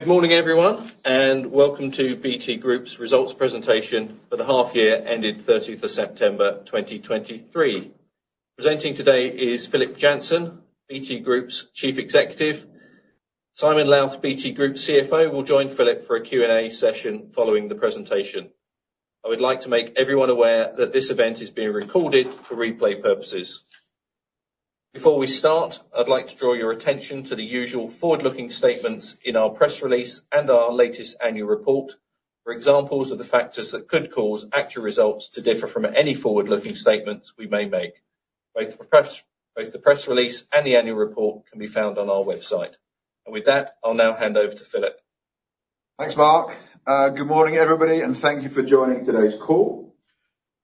Good morning, everyone, and welcome to BT Group's results presentation for the half year ended 30th of September, 2023. Presenting today is Philip Jansen, BT Group's Chief Executive. Simon Lowth, BT Group CFO, will join Philip for a Q&A session following the presentation. I would like to make everyone aware that this event is being recorded for replay purposes. Before we start, I'd like to draw your attention to the usual forward-looking statements in our press release and our latest annual report for examples of the factors that could cause actual results to differ from any forward-looking statements we may make. Both the press release and the annual report can be found on our website. With that, I'll now hand over to Philip. Thanks, Mark. Good morning, everybody, and thank you for joining today's call.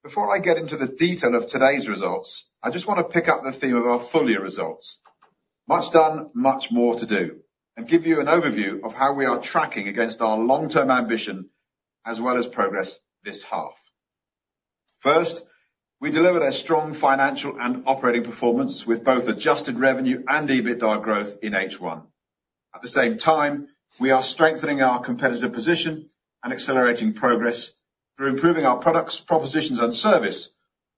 Before I get into the detail of today's results, I just want to pick up the theme of our full year results. Much done, much more to do, and give you an overview of how we are tracking against our long-term ambition as well as progress this half. First, we delivered a strong financial and operating performance with both adjusted revenue and EBITDA growth in H1. At the same time, we are strengthening our competitive position and accelerating progress through improving our products, propositions, and service,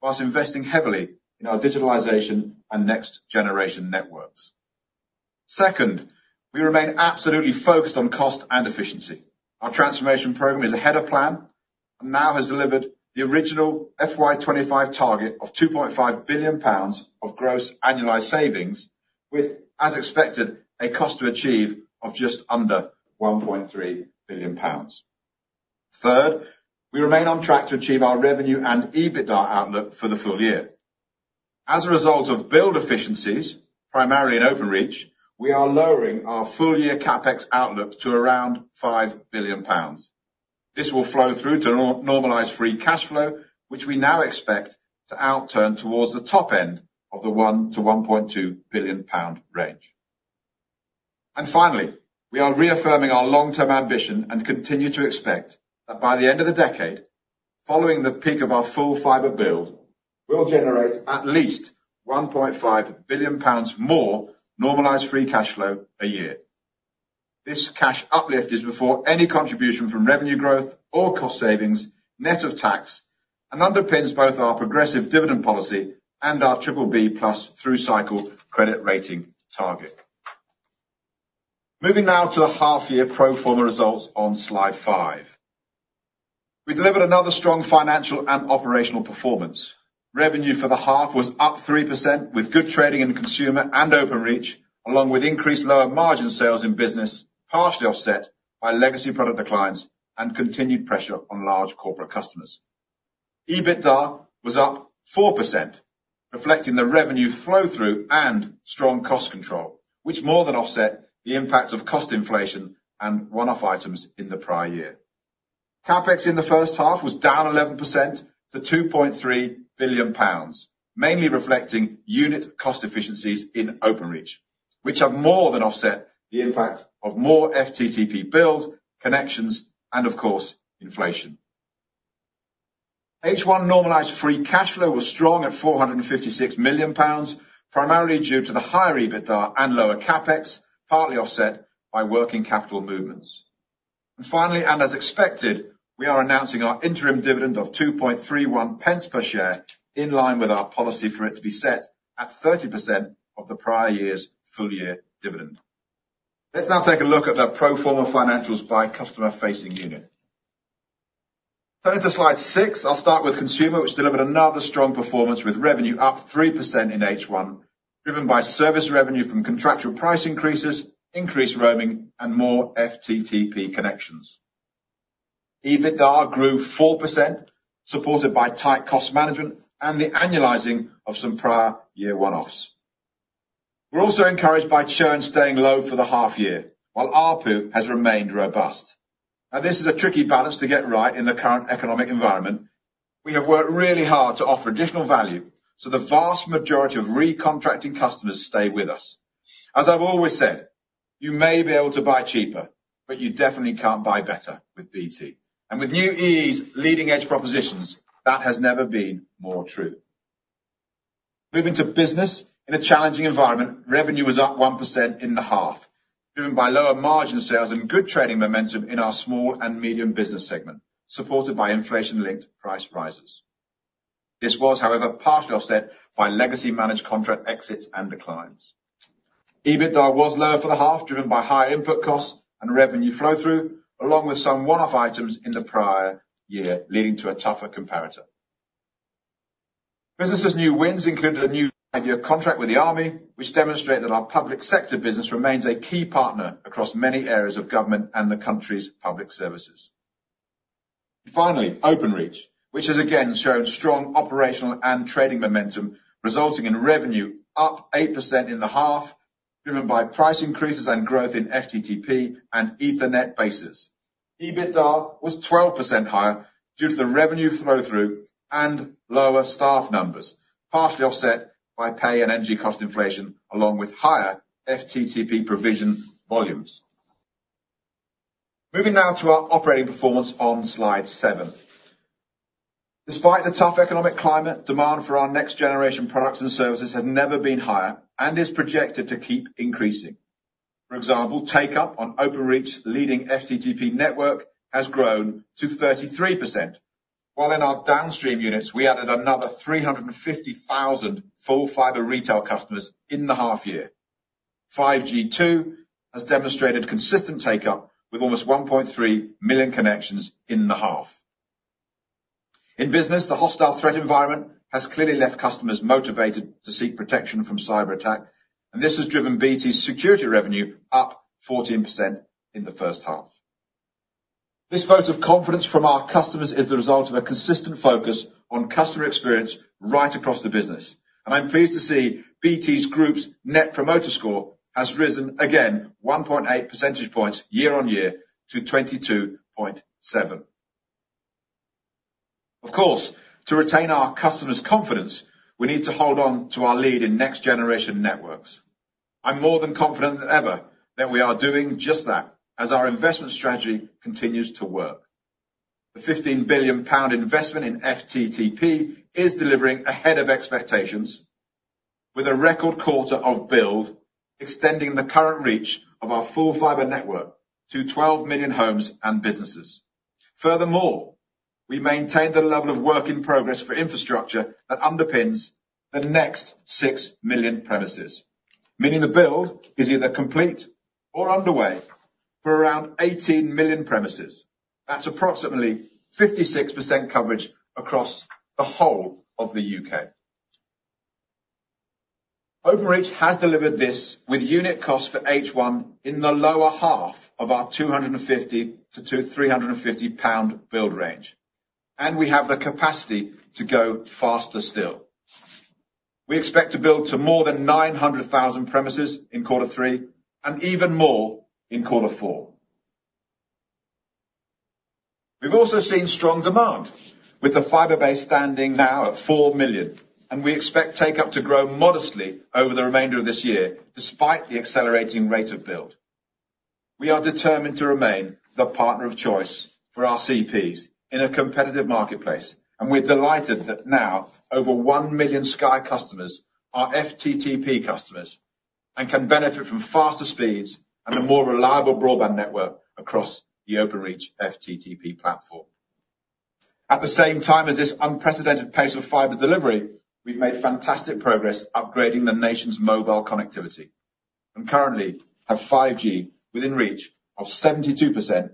whilst investing heavily in our digitalization and next generation networks. Second, we remain absolutely focused on cost and efficiency. Our transformation program is ahead of plan and now has delivered the original FY 2025 target of 2.5 billion pounds of gross annualized savings, with, as expected, a cost to achieve of just under 1.3 billion pounds. Third, we remain on track to achieve our revenue and EBITDA outlook for the full year. As a result of build efficiencies, primarily in Openreach, we are lowering our full-year CapEx outlook to around 5 billion pounds. This will flow through to normalized free cash flow, which we now expect to outturn towards the top end of the 1 billion-1.2 billion pound range. Finally, we are reaffirming our long-term ambition and continue to expect that by the end of the decade, following the peak of our full fiber build, we'll generate at least 1.5 billion pounds more normalized free cash flow a year. This cash uplift is before any contribution from revenue growth or cost savings, net of tax, and underpins both our progressive dividend policy and our BBB+ through-cycle credit rating target. Moving now to the half-year pro forma results on Slide 5. We delivered another strong financial and operational performance. Revenue for the half was up 3%, with good trading in Consumer and Openreach, along with increased lower margin sales in Business, partially offset by legacy product declines and continued pressure on large corporate customers. EBITDA was up 4%, reflecting the revenue flow-through and strong cost control, which more than offset the impact of cost inflation and one-off items in the prior year. CapEx in the first half was down 11% to 2.3 billion pounds, mainly reflecting unit cost efficiencies in Openreach, which have more than offset the impact of more FTTP builds, connections, and of course, inflation. H1 normalized free cash flow was strong at 456 million pounds, primarily due to the higher EBITDA and lower CapEx, partly offset by working capital movements. And finally, and as expected, we are announcing our interim dividend of 0.0231 per share, in line with our policy for it to be set at 30% of the prior year's full-year dividend. Let's now take a look at the pro forma financials by customer-facing unit. Turning to Slide 6, I'll start with Consumer, which delivered another strong performance with revenue up 3% in H1, driven by service revenue from contractual price increases, increased roaming, and more FTTP connections. EBITDA grew 4%, supported by tight cost management and the annualizing of some prior year one-offs. We're also encouraged by churn staying low for the half year, while ARPU has remained robust. Now, this is a tricky balance to get right in the current economic environment. We have worked really hard to offer additional value, so the vast majority of recontracting customers stay with us. As I've always said, you may be able to buy cheaper, but you definitely can't buy better with BT. And with New EE's leading-edge propositions, that has never been more true. Moving to business, in a challenging environment, revenue was up 1% in the half, driven by lower margin sales and good trading momentum in our small and medium business segment, supported by inflation-linked price rises. This was, however, partially offset by legacy managed contract exits and declines. EBITDA was lower for the half, driven by higher input costs and revenue flow-through, along with some one-off items in the prior year, leading to a tougher comparator. Business's new wins included a new five-year contract with the Army, which demonstrate that our public sector business remains a key partner across many areas of government and the country's public services. Finally, Openreach, which has again showed strong operational and trading momentum, resulting in revenue up 8% in the half, driven by price increases and growth in FTTP and Ethernet bases. EBITDA was 12% higher due to the revenue flow-through and lower staff numbers, partially offset by pay and energy cost inflation, along with higher FTTP provision volumes. Moving now to our operating performance on Slide seven. Despite the tough economic climate, demand for our next-generation products and services has never been higher and is projected to keep increasing. For example, take-up on Openreach's leading FTTP network has grown to 33%, while in our downstream units, we added another 350,000 full fiber retail customers in the half year. 5G, too, has demonstrated consistent take-up, with almost 1.3 million connections in the half. In business, the hostile threat environment has clearly left customers motivated to seek protection from cyberattack, and this has driven BT's security revenue up 14% in the first half. This vote of confidence from our customers is the result of a consistent focus on customer experience right across the business, and I'm pleased to see BT Group's Net Promoter Score has risen again, 1.8 percentage points year-on-year to 22.7. Of course, to retain our customers' confidence, we need to hold on to our lead in next-generation networks. I'm more than confident than ever that we are doing just that, as our investment strategy continues to work. The 15 billion pound investment in FTTP is delivering ahead of expectations, with a record quarter of build extending the current reach of our full fiber network to 12 million homes and businesses. Furthermore, we maintained the level of work in progress for infrastructure that underpins the next six million premises, meaning the build is either complete or underway for around 18 million premises. That's approximately 56% coverage across the whole of the U.K.. Openreach has delivered this with unit costs for H1 in the lower half of our 250-350 pound build range, and we have the capacity to go faster still. We expect to build to more than 900,000 premises in Quarter 3 and even more in Quarter 4. We've also seen strong demand, with the fiber base standing now at 4 million, and we expect take-up to grow modestly over the remainder of this year, despite the accelerating rate of build. We are determined to remain the partner of choice for our CPs in a competitive marketplace, and we're delighted that now over 1 million Sky customers are FTTP customers and can benefit from faster speeds and a more reliable broadband network across the Openreach FTTP platform. At the same time as this unprecedented pace of fiber delivery, we've made fantastic progress upgrading the nation's mobile connectivity and currently have 5G within reach of 72%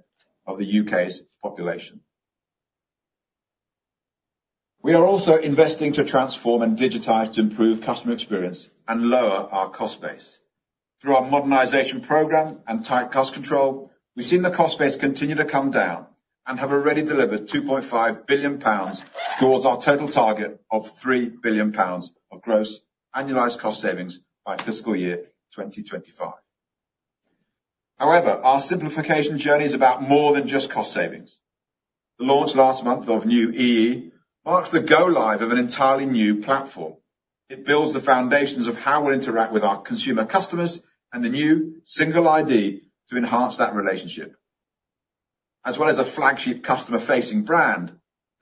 of the UK's population. We are also investing to transform and digitize to improve customer experience and lower our cost base. Through our modernization program and tight cost control, we've seen the cost base continue to come down and have already delivered 2.5 billion pounds towards our total target of 3 billion pounds of gross annualized cost savings by fiscal year 2025. However, our simplification journey is about more than just cost savings. The launch last month of New EE marks the go-live of an entirely new platform. It builds the foundations of how we interact with our Consumer customers and the new single ID to enhance that relationship. As well as a flagship customer-facing brand,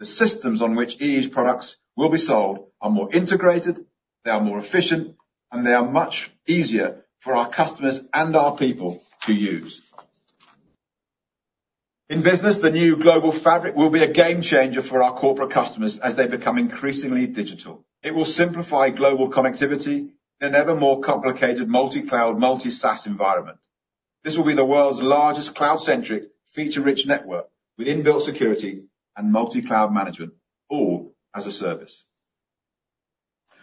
the systems on which EE's products will be sold are more integrated, they are more efficient, and they are much easier for our customers and our people to use. In business, the new Global Fabric will be a game changer for our corporate customers as they become increasingly digital. It will simplify global connectivity in an ever more complicated multi-cloud, Multi-SaaS environment. This will be the world's largest cloud-centric, feature-rich network with inbuilt security and multi-cloud management, all as a service.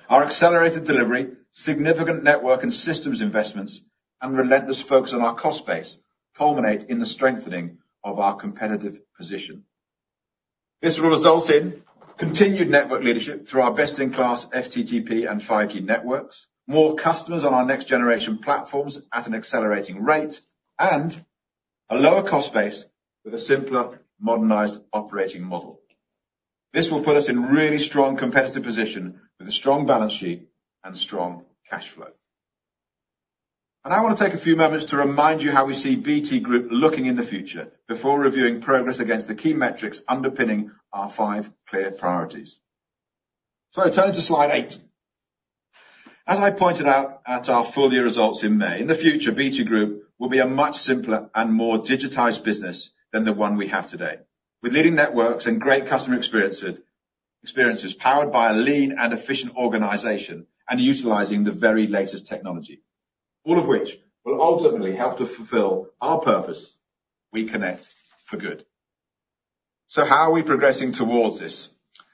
Our accelerated delivery, significant network and systems investments, and relentless focus on our cost base culminate in the strengthening of our competitive position. This will result in continued network leadership through our best-in-class FTTP and 5G networks, more customers on our next-generation platforms at an accelerating rate, and a lower cost base with a simpler, modernized operating model. This will put us in really strong competitive position with a strong balance sheet and strong cash flow. I want to take a few moments to remind you how we see BT Group looking in the future before reviewing progress against the key metrics underpinning our 5 clear priorities. I turn to Slide 8. As I pointed out at our full year results in May, in the future, BT Group will be a much simpler and more digitized business than the one we have today, with leading networks and great customer experiences powered by a lean and efficient organization and utilizing the very latest technology, all of which will ultimately help to fulfill our purpose: we connect for good. How are we progressing towards this?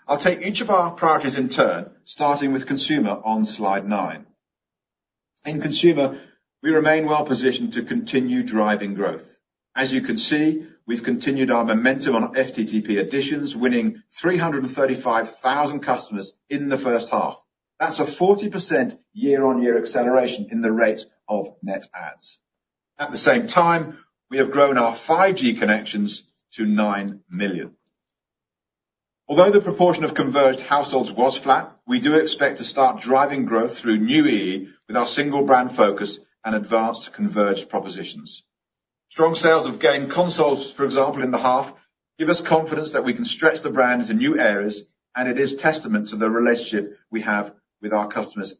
I'll take each of our priorities in turn, starting with Consumer on Slide 9. In Consumer, we remain well positioned to continue driving growth. As you can see, we've continued our momentum on FTTP additions, winning 335,000 customers in the first half. That's a 40% year-on-year acceleration in the rate of net adds. At the same time, we have grown our 5G connections to 9 million. Although the proportion of converged households was flat, we do expect to start driving growth through New EE with our single brand focus and advanced converged propositions. Strong sales of game consoles, for example, in the half, give us confidence that we can stretch the brands into new areas, and it is testament to the relationship we have with our customers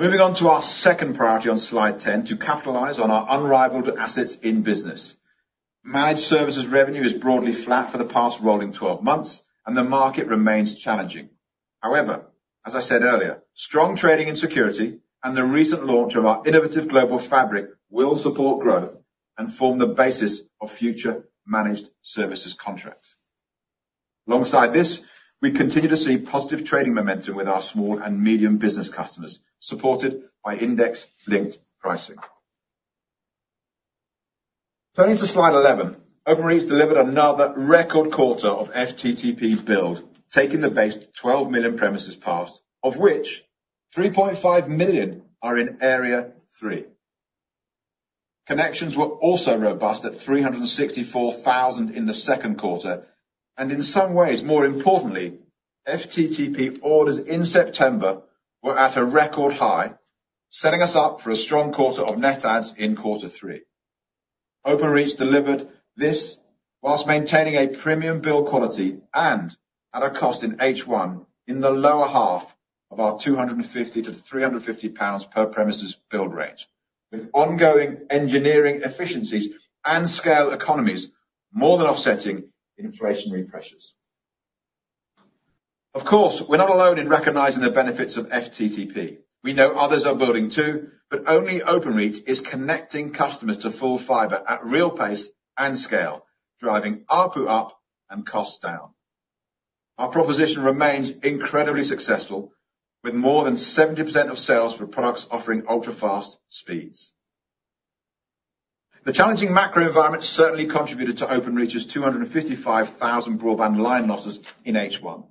and partners. Moving on to our second priority on Slide 10, to capitalize on our unrivaled assets in business. Managed services revenue is broadly flat for the past rolling twelve months, and the market remains challenging. However, as I said earlier, strong trading and security and the recent launch of our innovative Global Fabric will support growth and form the basis of future managed services contracts. Alongside this, we continue to see positive trading momentum with our small and medium business customers, supported by index-linked pricing. Turning to Slide 11, Openreach delivered another record quarter of FTTP build, taking the base to 12 million premises passed, of which 3.5 million are in Area 3. Connections were also robust at 364,000 in the second quarter, and in some ways, more importantly, FTTP orders in September were at a record high, setting us up for a strong quarter of net adds in quarter three. Openreach delivered this while maintaining a premium build quality and at a cost in H1 in the lower half of our 250-350 pounds per premises build range, with ongoing engineering efficiencies and scale economies more than offsetting inflationary pressures. Of course, we're not alone in recognizing the benefits of FTTP. We know others are building too, but only Openreach is connecting customers to full fiber at real pace and scale, driving ARPU up and costs down. Our proposition remains incredibly successful, with more than 70% of sales for products offering ultra-fast speeds. The challenging macro environment certainly contributed to Openreach's 255,000 broadband line losses in H1.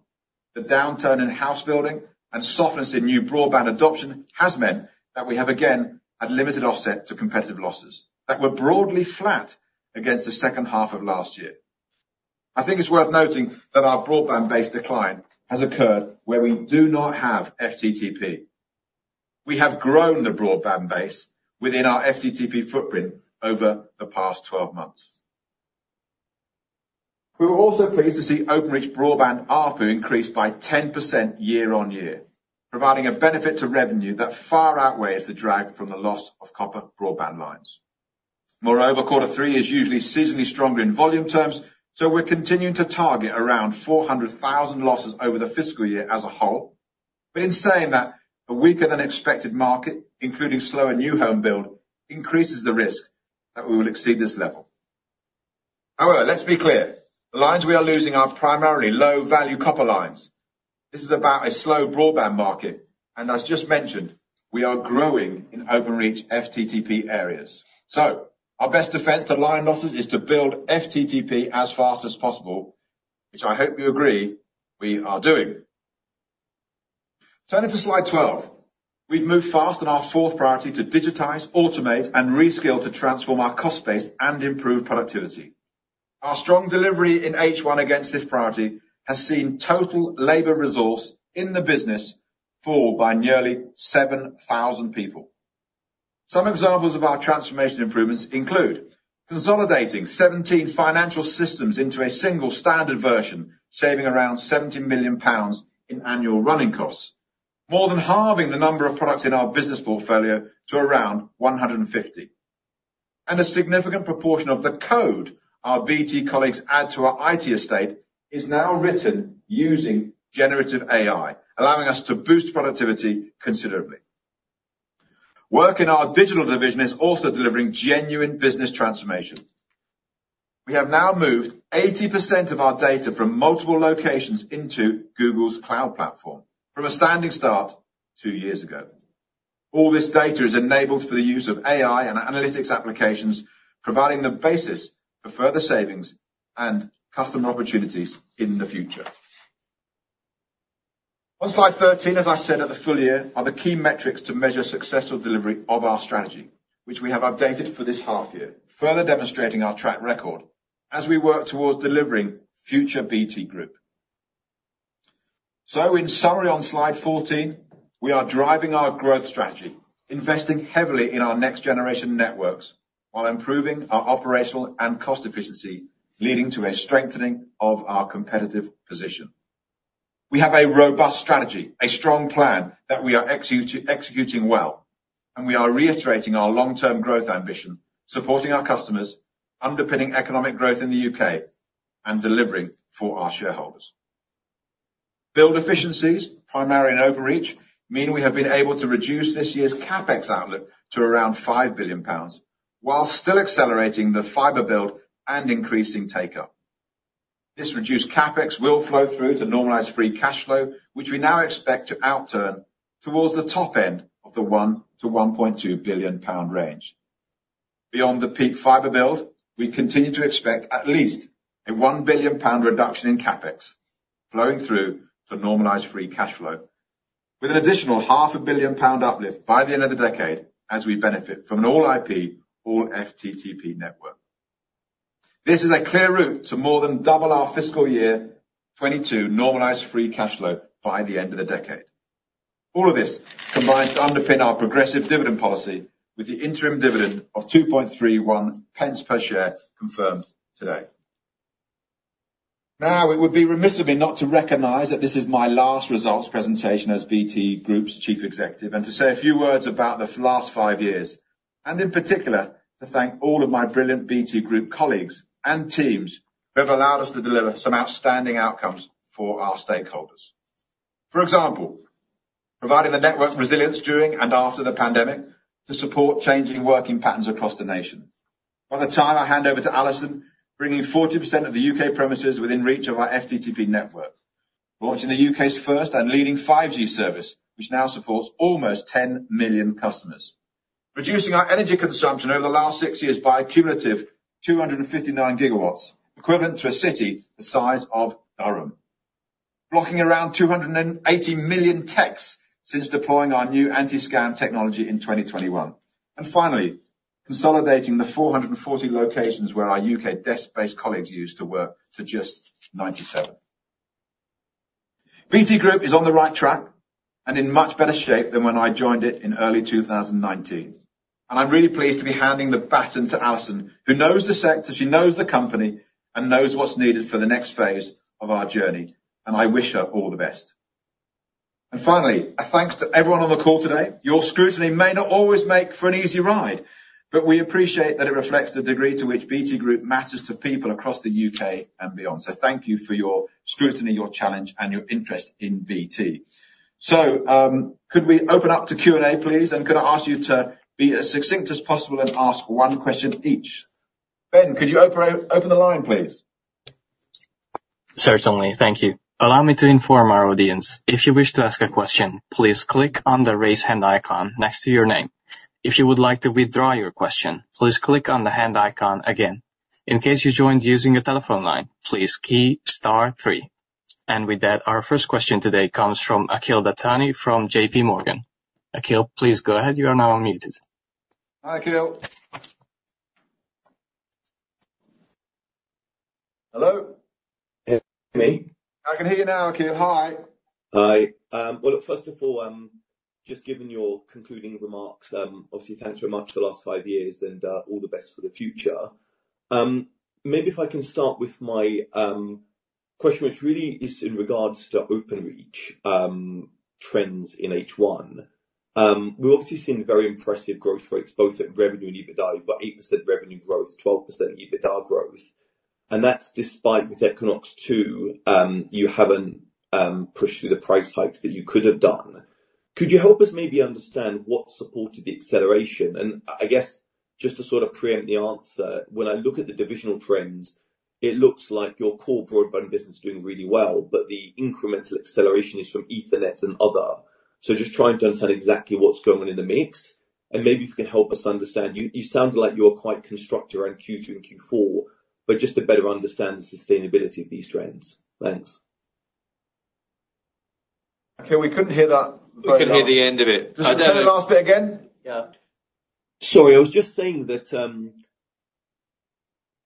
The downturn in house building and softness in new broadband adoption has meant that we have, again, had limited offset to competitive losses that were broadly flat against the second half of last year. I think it's worth noting that our broadband-based decline has occurred where we do not have FTTP. We have grown the broadband base within our FTTP footprint over the past 12 months. We were also pleased to see Openreach broadband ARPU increase by 10% year on year, providing a benefit to revenue that far outweighs the drag from the loss of copper broadband lines. Moreover, quarter three is usually seasonally stronger in volume terms, so we're continuing to target around 400,000 losses over the fiscal year as a whole. But in saying that, a weaker-than-expected market, including slower new home build, increases the risk that we will exceed this level. However, let's be clear. The lines we are losing are primarily low-value copper lines. This is about a slow broadband market, and as just mentioned, we are growing in Openreach FTTP areas. So our best defense to line losses is to build FTTP as fast as possible, which I hope you agree we are doing. Turning to Slide 12. We've moved fast on our fourth priority to digitize, automate, and reskill to transform our cost base and improve productivity. Our strong delivery in H1 against this priority has seen total labor resource in the business fall by nearly 7,000 people. Some examples of our transformation improvements include consolidating 17 financial systems into a single standard version, saving around 70 million pounds in annual running costs. More than halving the number of products in our business portfolio to around 150. A significant proportion of the code our BT colleagues add to our IT estate is now written using generative AI, allowing us to boost productivity considerably. Work in our digital division is also delivering genuine business transformation. We have now moved 80% of our data from multiple locations into Google Cloud Platform from a standing start two years ago. All this data is enabled for the use of AI and analytics applications, providing the basis for further savings and customer opportunities in the future. On Slide 13, as I said at the full year, are the key metrics to measure successful delivery of our strategy, which we have updated for this half year, further demonstrating our track record as we work towards delivering future BT Group. In summary, on Slide 14, we are driving our growth strategy, investing heavily in our next-generation networks while improving our operational and cost efficiency, leading to a strengthening of our competitive position. We have a robust strategy, a strong plan that we are executing well, and we are reiterating our long-term growth ambition, supporting our customers, underpinning economic growth in the UK, and delivering for our shareholders. Build efficiencies, primarily in Openreach, mean we have been able to reduce this year's CapEx outlook to around 5 billion pounds, while still accelerating the fiber build and increasing take-up. This reduced CapEx will flow through to normalized free cash flow, which we now expect to outturn towards the top end of the 1 billion-1.2 billion pound range. Beyond the peak fiber build, we continue to expect at least a 1 billion pound reduction in CapEx, flowing through to normalized free cash flow, with an additional 500 million pound uplift by the end of the decade as we benefit from an all-IP, all FTTP network. This is a clear route to more than double our fiscal year 2022 normalized free cash flow by the end of the decade. All of this combines to underpin our progressive dividend policy, with the interim dividend of 2.31 pence per share confirmed today. Now, it would be remiss of me not to recognize that this is my last results presentation as BT Group's Chief Executive, and to say a few words about the last 5 years, and in particular, to thank all of my brilliant BT Group colleagues and teams, who have allowed us to deliver some outstanding outcomes for our stakeholders. For example, providing the network resilience during and after the pandemic to support changing working patterns across the nation. By the time I hand over to Allison, bringing 40% of the UK premises within reach of our FTTP network, launching the UK's first and leading 5G service, which now supports almost 10 million customers. Reducing our energy consumption over the last 6 years by a cumulative 259 GWh, equivalent to a city the size of Durham. Blocking around 280 million texts since deploying our new anti-scam technology in 2021. And finally, consolidating the 440 locations where our UK desk-based colleagues used to work, to just 97. BT Group is on the right track and in much better shape than when I joined it in early 2019. And I'm really pleased to be handing the baton to Allison, who knows the sector, she knows the company, and knows what's needed for the next phase of our journey, and I wish her all the best. And finally, a thanks to everyone on the call today. Your scrutiny may not always make for an easy ride, but we appreciate that it reflects the degree to which BT Group matters to people across the UK and beyond. So thank you for your scrutiny, your challenge, and your interest in BT. So, could we open up to Q&A, please? Could I ask you to be as succinct as possible and ask one question each? Ben, could you open the line, please? Certainly. Thank you. Allow me to inform our audience. If you wish to ask a question, please click on the Raise Hand icon next to your name. If you would like to withdraw your question, please click on the hand icon again. In case you joined using a telephone line, please key star three. And with that, our first question today comes from Akhil Dattani from J.P. Morgan. Akhil, please go ahead. You are now unmuted. Hi, Akhil. Hello? Can you hear me? I can hear you now, Akhil. Hi. Hi. Well, first of all, just given your concluding remarks, obviously, thanks very much for the last five years and, all the best for the future. Maybe if I can start with my question, which really is in regards to Openreach, trends in H1. We've obviously seen very impressive growth rates, both at revenue and EBITDA, but 8% revenue growth, 12% EBITDA growth. And that's despite with Equinox 2, you haven't pushed through the price hikes that you could have done. Could you help us maybe understand what supported the acceleration? And I, I guess, just to sort of preempt the answer, when I look at the divisional trends, it looks like your core broadband business is doing really well, but the incremental acceleration is from Ethernet and other. Just trying to understand exactly what's going on in the mix, and maybe if you can help us understand. You, you sound like you're quite constructive on Q2 and Q4, but just to better understand the sustainability of these trends. Thanks. Akhil, we couldn't hear that very well. We couldn't hear the end of it. Just say the last bit again. Yeah. Sorry, I was just saying that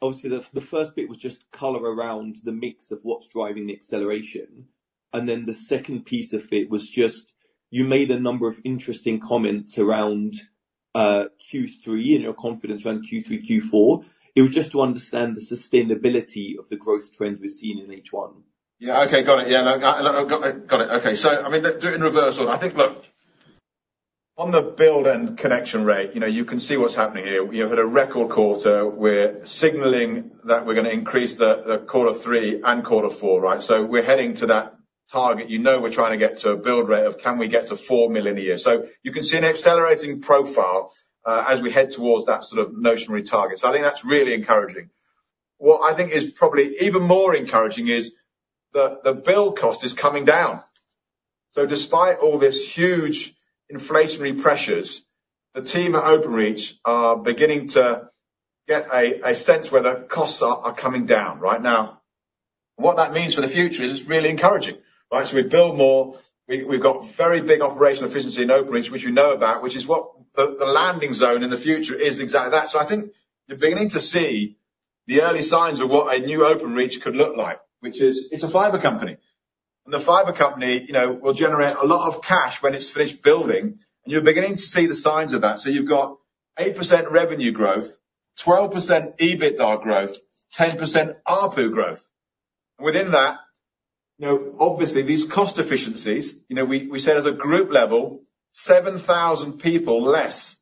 obviously, the first bit was just color around the mix of what's driving the acceleration. And then the second piece of it was just, you made a number of interesting comments around Q3 and your confidence around Q3, Q4. It was just to understand the sustainability of the growth trends we've seen in H1. Yeah. Okay, got it. Yeah. No, I, I got it. Got it. Okay. So, I mean, do it in reversal. I think, look, on the build and connection rate, you know, you can see what's happening here. We have had a record quarter. We're signaling that we're gonna increase the, the quarter three and quarter four, right? So we're heading to that target. You know, we're trying to get to a build rate of can we get to 4 million a year? So you can see an accelerating profile, as we head towards that sort of notional target. So I think that's really encouraging. What I think is probably even more encouraging is the, the build cost is coming down. So despite all this huge inflationary pressures, the team at Openreach are beginning to get a, a sense where the costs are, are coming down. Right now, what that means for the future is really encouraging, right? So we build more, we've got very big operational efficiency in Openreach, which you know about, which is what the landing zone in the future is exactly that. So I think you're beginning to see the early signs of what a new Openreach could look like, which is, it's a fiber company. And the fiber company, you know, will generate a lot of cash when it's finished building, and you're beginning to see the signs of that. So you've got 8% revenue growth, 12% EBITDA growth, 10% ARPU growth. Within that, you know, obviously, these cost efficiencies, you know, we said as a group level, 7,000 people less.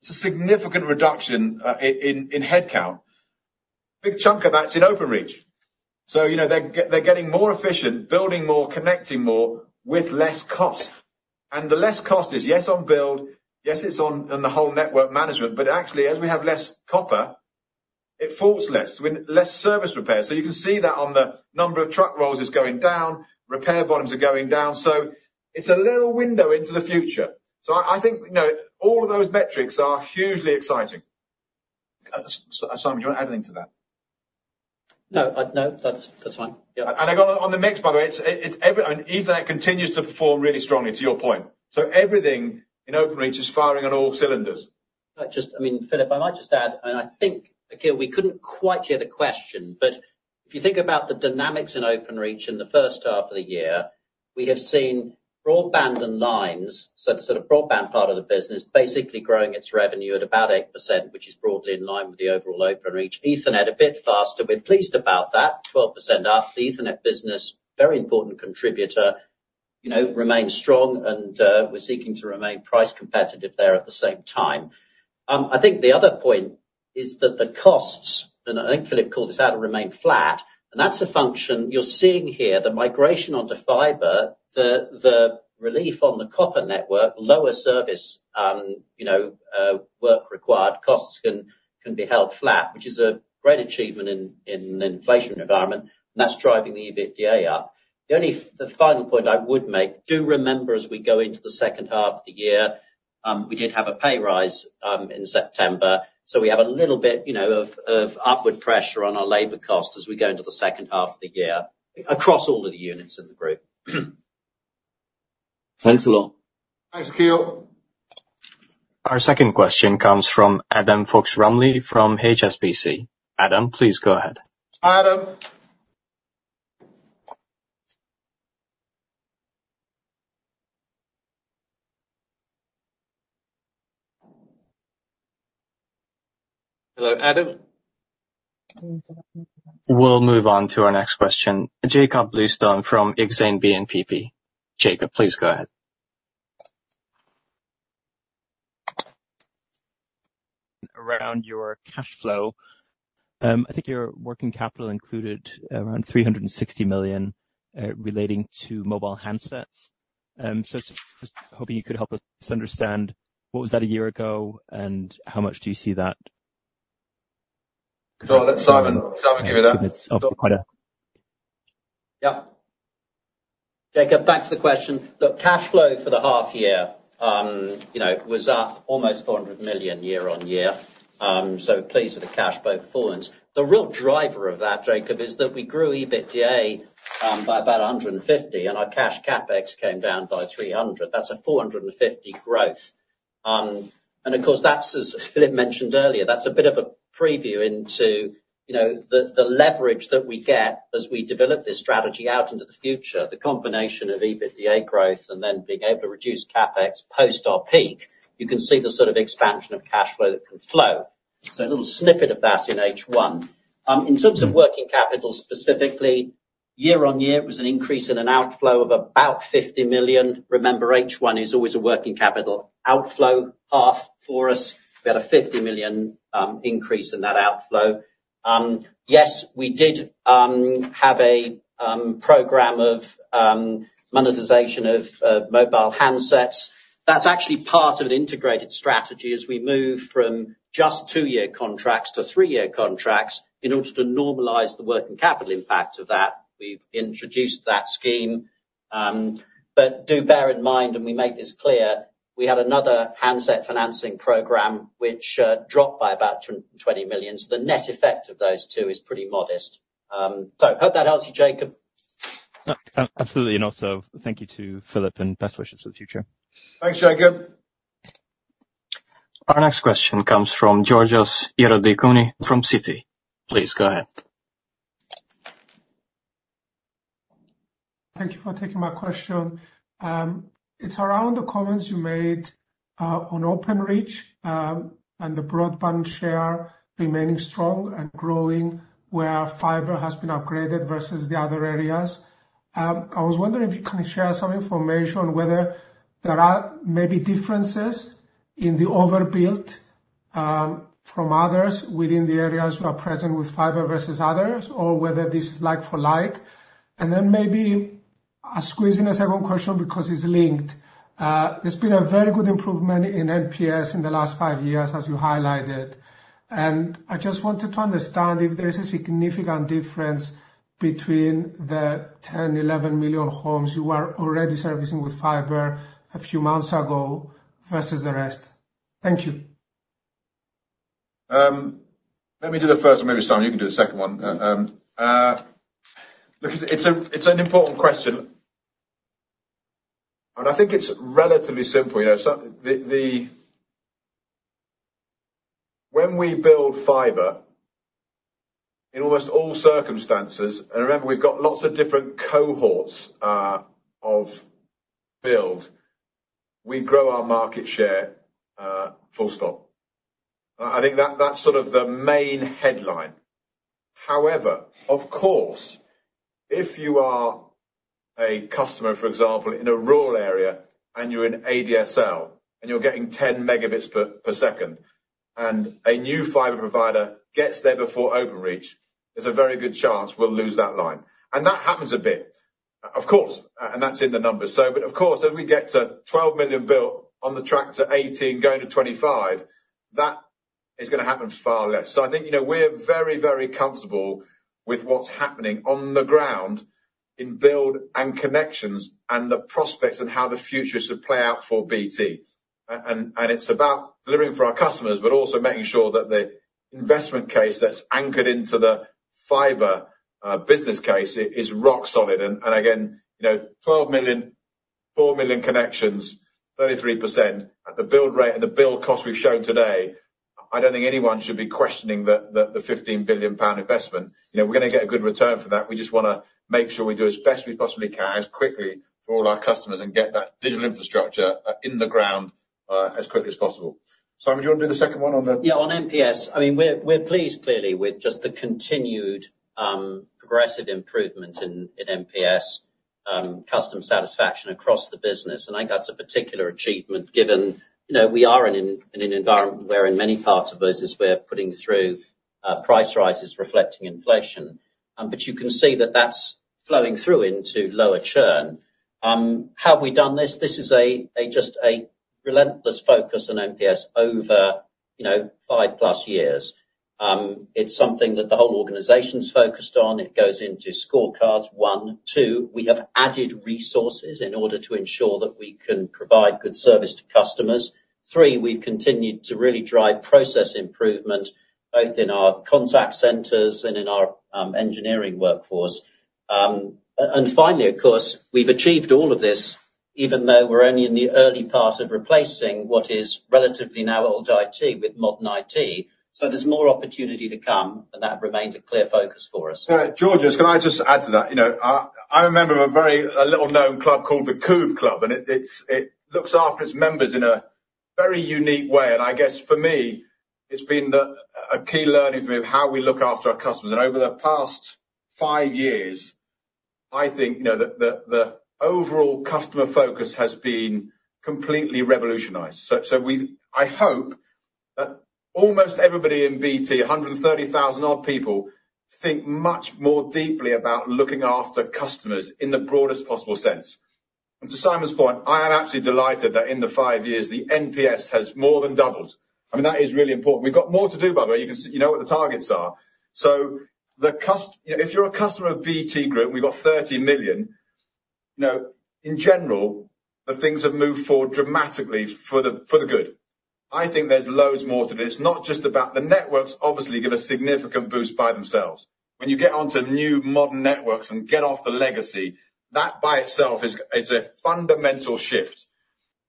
It's a significant reduction in headcount. Big chunk of that's in Openreach. So, you know, they're getting more efficient, building more, connecting more, with less cost. And the less cost is, yes, on build, yes, it's on and the whole network management, but actually, as we have less copper, it faults less, with less service repairs. So you can see that on the number of truck rolls is going down, repair volumes are going down. So it's a little window into the future. So I think, you know, all of those metrics are hugely exciting. Simon, do you want to add anything to that? ... No, that's fine. Yeah. And I got on the mix, by the way, and Ethernet continues to perform really strongly, to your point. So everything in Openreach is firing on all cylinders. I mean, Philip, I might just add, and I think, Akhil, we couldn't quite hear the question, but if you think about the dynamics in Openreach in the first half of the year, we have seen broadband and lines, so the sort of broadband part of the business, basically growing its revenue at about 8%, which is broadly in line with the overall Openreach. Ethernet a bit faster. We're pleased about that, 12% up. The Ethernet business, very important contributor, you know, remains strong, and we're seeking to remain price competitive there at the same time. I think the other point is that the costs, and I think Philip called this out, have remained flat, and that's a function you're seeing here, the migration onto fiber, the relief on the copper network, lower service, you know, work required, costs can be held flat, which is a great achievement in an inflation environment, and that's driving the EBITDA up. The only final point I would make, do remember, as we go into the second half of the year, we did have a pay rise in September, so we have a little bit, you know, of upward pressure on our labor costs as we go into the second half of the year, across all of the units of the group. Thanks a lot. Thanks, Akhil. Our second question comes from Adam Fox-Rumley from HSBC. Adam, please go ahead. Adam? Hello, Adam. We'll move on to our next question. Jakob Bluestone from Exane BNP Paribas. Jacob, please go ahead. Around your cash flow. I think your working capital included around 360 million relating to mobile handsets. So just hoping you could help us understand what was that a year ago, and how much do you see that? Let Simon give you that. Yeah. Jacob, thanks for the question. Look, cash flow for the half year, you know, was up almost 400 million year on year. So pleased with the cash flow performance. The real driver of that, Jacob, is that we grew EBITDA by about 150, and our cash CapEx came down by 300. That's a 450 growth. And of course, that's, as Philip mentioned earlier, that's a bit of a preview into, you know, the, the leverage that we get as we develop this strategy out into the future. The combination of EBITDA growth and then being able to reduce CapEx post our peak, you can see the sort of expansion of cash flow that can flow. So a little snippet of that in H1. In terms of working capital, specifically, year-on-year, it was an increase in an outflow of about 50 million. Remember, H1 is always a working capital outflow half for us. We had a 50 million increase in that outflow. Yes, we did have a program of monetization of mobile handsets. That's actually part of an integrated strategy as we move from just two-year contracts to three-year contracts. In order to normalize the working capital impact of that, we've introduced that scheme. But do bear in mind, and we make this clear, we had another handset financing program, which dropped by about 20 million. So the net effect of those two is pretty modest. So hope that helps you, Jacob. Absolutely, and also thank you to Philip, and best wishes for the future. Thanks, Jacob. Our next question comes from Georgios Ierodiaconou from Citi. Please go ahead. Thank you for taking my question. It's around the comments you made on Openreach and the broadband share remaining strong and growing, where fiber has been upgraded versus the other areas. I was wondering if you can share some information on whether there are maybe differences in the overbuilt from others within the areas who are present with fiber versus others, or whether this is like for like? And then maybe squeeze in a second question because it's linked. There's been a very good improvement in NPS in the last five years, as you highlighted, and I just wanted to understand if there is a significant difference between the 10, 11 million homes you were already servicing with fiber a few months ago versus the rest. Thank you. Let me do the first one, maybe, Simon, you can do the second one. Look, it's an important question, and I think it's relatively simple, you know. So, when we build fiber, in almost all circumstances, and remember, we've got lots of different cohorts of build, we grow our market share, full stop. I think that's the main headline. However, of course, if you are a customer, for example, in a rural area, and you're in ADSL, and you're getting 10 Mbps, and a new fiber provider gets there before Openreach, there's a very good chance we'll lose that line. And that happens a bit, of course, and that's in the numbers. But, of course, as we get to 12 million built on the track to 18, going to 25, that is gonna happen far less. So I think, you know, we're very, very comfortable with what's happening on the ground in build and connections and the prospects of how the future should play out for BT... And it's about delivering for our customers, but also making sure that the investment case that's anchored into the fiber business case is rock solid. And again, you know, 12 million, 4 million connections, 33% at the build rate and the build cost we've shown today, I don't think anyone should be questioning the fifteen billion pound investment. You know, we're gonna get a good return for that. We just wanna make sure we do as best we possibly can, as quickly for all our customers, and get that digital infrastructure, in the ground, as quickly as possible. Simon, do you want to do the second one on the- Yeah, on NPS. I mean, we're pleased, clearly, with just the continued progressive improvement in NPS, customer satisfaction across the business. And I think that's a particular achievement, given, you know, we are in an environment where, in many parts of business, we're putting through price rises reflecting inflation. But you can see that that's flowing through into lower churn. How have we done this? This is just a relentless focus on NPS over, you know, 5+ years. It's something that the whole organization's focused on. It goes into scorecards, one. Two, we have added resources in order to ensure that we can provide good service to customers. Three, we've continued to really drive process improvement, both in our contact centers and in our engineering workforce. And finally, of course, we've achieved all of this, even though we're only in the early part of replacing what is relatively now old IT with modern IT. So there's more opportunity to come, and that remains a clear focus for us. Georges, can I just add to that? You know, I remember a very, a little-known club called the Coob Club, and it looks after its members in a very unique way. And I guess for me, it's been a key learning for me of how we look after our customers. And over the past 5 years, I think, you know, the overall customer focus has been completely revolutionized. So we—I hope that almost everybody in BT, 130,000-odd people, think much more deeply about looking after customers in the broadest possible sense. And to Simon's point, I am absolutely delighted that in the 5 years, the NPS has more than doubled. I mean, that is really important. We've got more to do, by the way. You can see... You know what the targets are. If you're a customer of BT Group, we've got 30 million. You know, in general, the things have moved forward dramatically for the good. I think there's loads more to do. It's not just about the networks, obviously, give a significant boost by themselves. When you get onto new modern networks and get off the legacy, that by itself is a fundamental shift.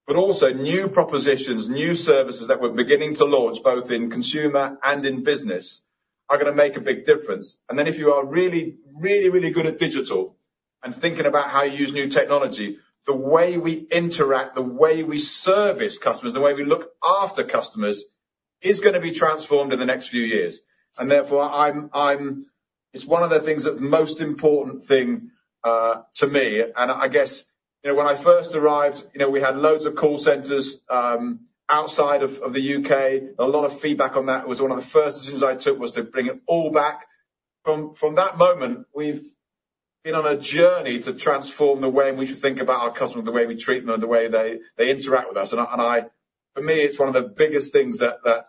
But also, new propositions, new services that we're beginning to launch, both in Consumer and in business, are gonna make a big difference. And then if you are really, really, really good at digital and thinking about how you use new technology, the way we interact, the way we service customers, the way we look after customers, is gonna be transformed in the next few years. And therefore, it's one of the things that... Most important thing to me. And I guess, you know, when I first arrived, you know, we had loads of call centers outside of the UK. A lot of feedback on that. It was one of the first decisions I took, was to bring it all back. From that moment, we've been on a journey to transform the way in which we think about our customers, the way we treat them, and the way they interact with us. And for me, it's one of the biggest things that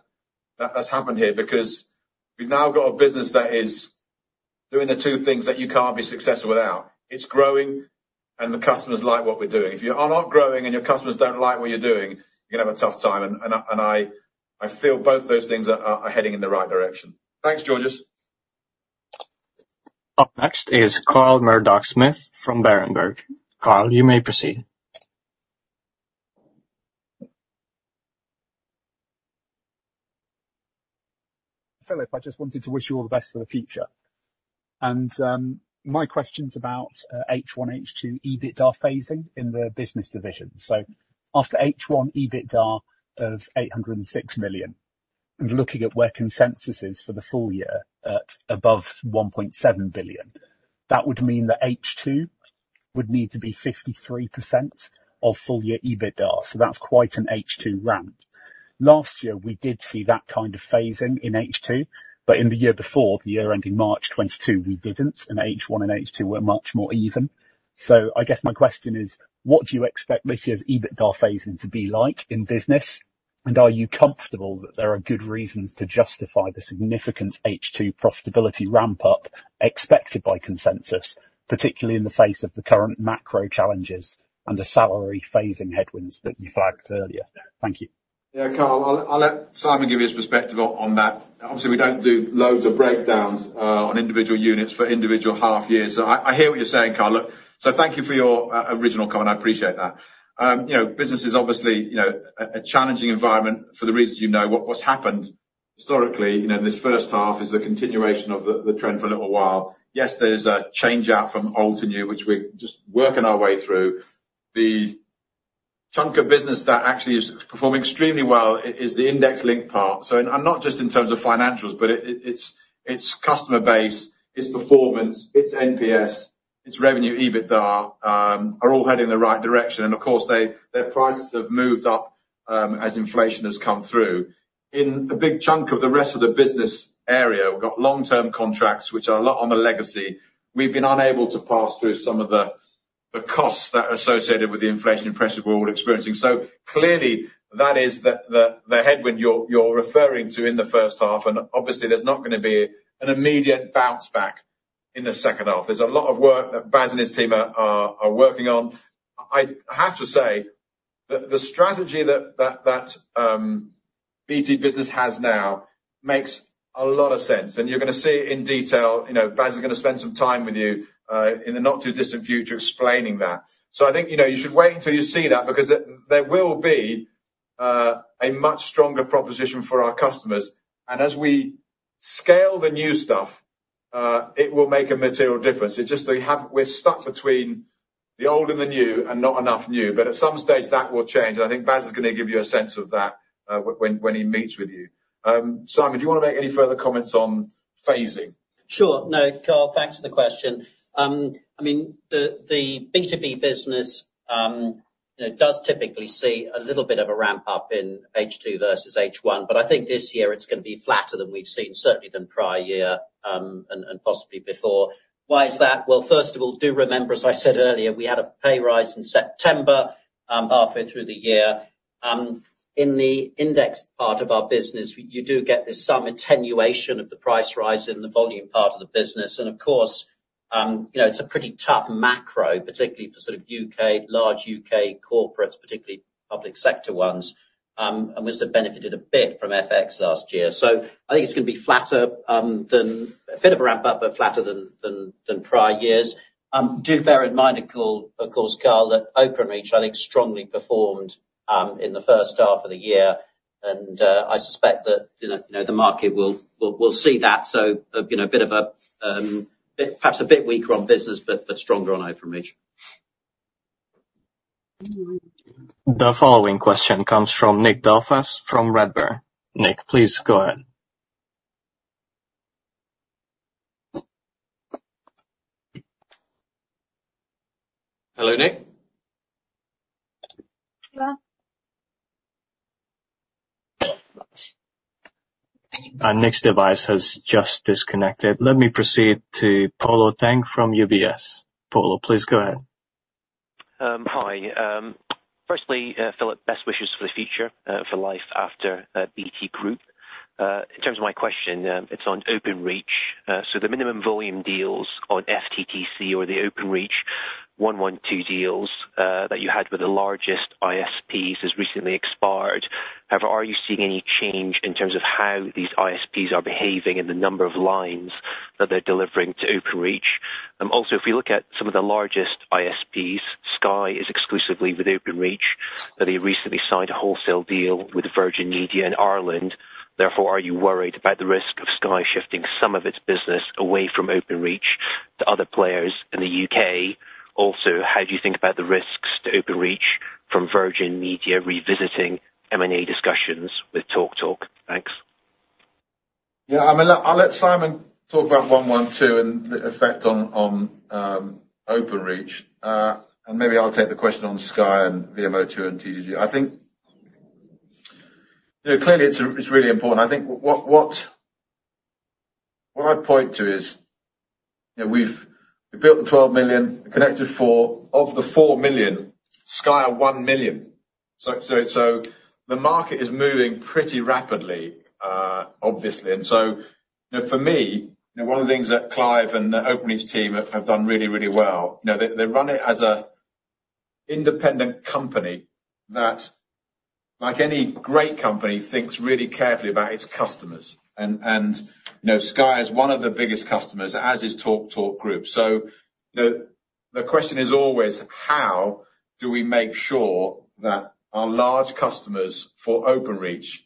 has happened here, because we've now got a business that is doing the two things that you can't be successful without: it's growing, and the customers like what we're doing. If you are not growing and your customers don't like what you're doing, you're gonna have a tough time, and I feel both those things are heading in the right direction. Thanks, Georgios. Up next is Carl Murdock-Smith from Berenberg. Carl, you may proceed. Philip, I just wanted to wish you all the best for the future. And, my question's about, H1, H2, EBITDA phasing in the business division. So after H1, EBITDA of 806 million, and looking at where consensus is for the full year, at above 1.7 billion, that would mean that H2 would need to be 53% of full year EBITDA. So that's quite an H2 ramp. Last year, we did see that kind of phasing in H2, but in the year before, the year ending March 2022, we didn't, and H1 and H2 were much more even. So I guess my question is, what do you expect this year's EBITDA phasing to be like in business? Are you comfortable that there are good reasons to justify the significant H2 profitability ramp-up expected by consensus, particularly in the face of the current macro challenges and the salary phasing headwinds that you flagged earlier? Thank you. Yeah, Carl, I'll let Simon give you his perspective on that. Obviously, we don't do loads of breakdowns on individual units for individual half years. So I hear what you're saying, Carl. Look, so thank you for your original comment. I appreciate that. You know, business is obviously a challenging environment for the reasons you know. What's happened historically, you know, this first half is a continuation of the trend for a little while. Yes, there's a change-out from old to new, which we're just working our way through. The chunk of business that actually is performing extremely well is the index link part. So and not just in terms of financials, but it, its customer base, its performance, its NPS, its revenue, EBITDA are all heading in the right direction. And of course, their prices have moved up, as inflation has come through. In the big chunk of the rest of the business area, we've got long-term contracts, which are a lot on the legacy. We've been unable to pass through some of the costs that are associated with the inflation pressure we're all experiencing. So clearly, that is the headwind you're referring to in the first half, and obviously there's not gonna be an immediate bounce back in the second half. There's a lot of work that Bas and his team are working on. I have to say that the strategy that BT Business has now makes a lot of sense, and you're gonna see it in detail. You know, Bas is gonna spend some time with you in the not-too-distant future explaining that. So I think, you know, you should wait until you see that, because there will be a much stronger proposition for our customers. And as we scale the new stuff, it will make a material difference. It's just that we're stuck between the old and the new, and not enough new. But at some stage, that will change, and I think Bas is gonna give you a sense of that, when he meets with you. Simon, do you want to make any further comments on phasing? Sure. No, Carl, thanks for the question. I mean, the B2B business, you know, does typically see a little bit of a ramp-up in H2 versus H1, but I think this year it's gonna be flatter than we've seen, certainly than prior year, and possibly before. Why is that? Well, first of all, do remember, as I said earlier, we had a pay rise in September, halfway through the year. In the indexed part of our business, you do get this some attenuation of the price rise in the volume part of the business, and of course, you know, it's a pretty tough macro, particularly for sort of UK, large UK corporates, particularly public sector ones, and which have benefited a bit from FX last year. So I think it's gonna be flatter, than... A bit of a ramp up, but flatter than prior years. Do bear in mind, of course, of course, Carl, that Openreach, I think, strongly performed in the first half of the year, and I suspect that, you know, the market will see that. So, you know, a bit of a, perhaps a bit weaker on business, but stronger on Openreach. The following question comes from Nick Delfas from Redburn. Nick, please go ahead. Hello, Nick? Hello. Nick's device has just disconnected. Let me proceed to Polo Tang from UBS. Polo, please go ahead. Hi. Firstly, Philip, best wishes for the future, for life after BT Group. In terms of my question, it's on Openreach. So the minimum volume deals on FTTC or the Openreach 112 deals that you had with the largest ISPs has recently expired. However, are you seeing any change in terms of how these ISPs are behaving and the number of lines that they're delivering to Openreach? Also, if you look at some of the largest ISPs, Sky is exclusively with Openreach, but they recently signed a wholesale deal with Virgin Media in Ireland. Therefore, are you worried about the risk of Sky shifting some of its business away from Openreach to other players in the UK? Also, how do you think about the risks to Openreach from Virgin Media revisiting M&A discussions with TalkTalk? Thanks. Yeah, I'm gonna I'll let Simon talk about one, one, two, and the effect on Openreach. And maybe I'll take the question on Sky and VMO2 and TTG. I think, you know, clearly it's, it's really important. I think what, what, what I'd point to is, you know, we've built the 12 million, connected 4. Of the 4 million, Sky are 1 million. So, so, so the market is moving pretty rapidly, obviously. And so, you know, for me, you know, one of the things that Clive and the Openreach team have done really, really well, you know, they run it as an independent company that, like any great company, thinks really carefully about its customers. And, and, you know, Sky is one of the biggest customers, as is TalkTalk Group. So, you know, the question is always: How do we make sure that our large customers for Openreach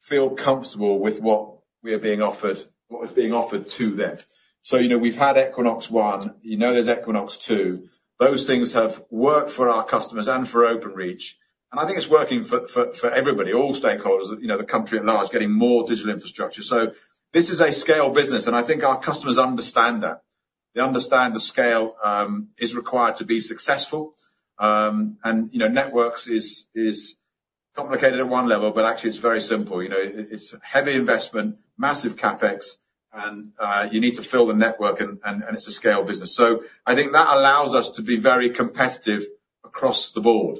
feel comfortable with what we are being offered, what is being offered to them? So, you know, we've had Equinox 1, you know there's Equinox 2. Those things have worked for our customers and for Openreach, and I think it's working for everybody, all stakeholders, you know, the country at large, getting more digital infrastructure. So this is a scale business, and I think our customers understand that. They understand the scale is required to be successful. And, you know, networks is complicated at one level, but actually it's very simple. You know, it's heavy investment, massive CapEx, and you need to fill the network, and it's a scale business. So I think that allows us to be very competitive across the board.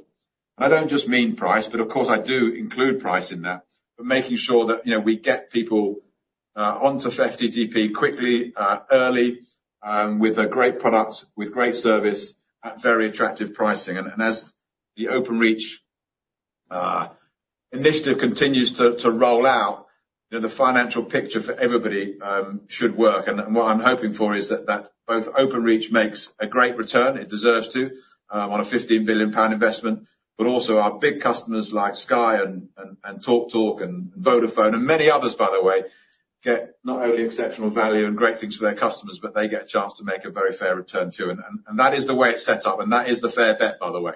And I don't just mean price, but of course I do include price in that. But making sure that, you know, we get people onto FTTP quickly, early, with a great product, with great service, at very attractive pricing. And as the Openreach initiative continues to roll out, you know, the financial picture for everybody should work. And what I'm hoping for is that both Openreach makes a great return, it deserves to, on a 15 billion pound investment. But also our big customers like Sky and Talk Talk and Vodafone, and many others by the way, get not only exceptional value and great things for their customers, but they get a chance to make a very fair return, too. That is the way it's set up, and that is the fair bet, by the way.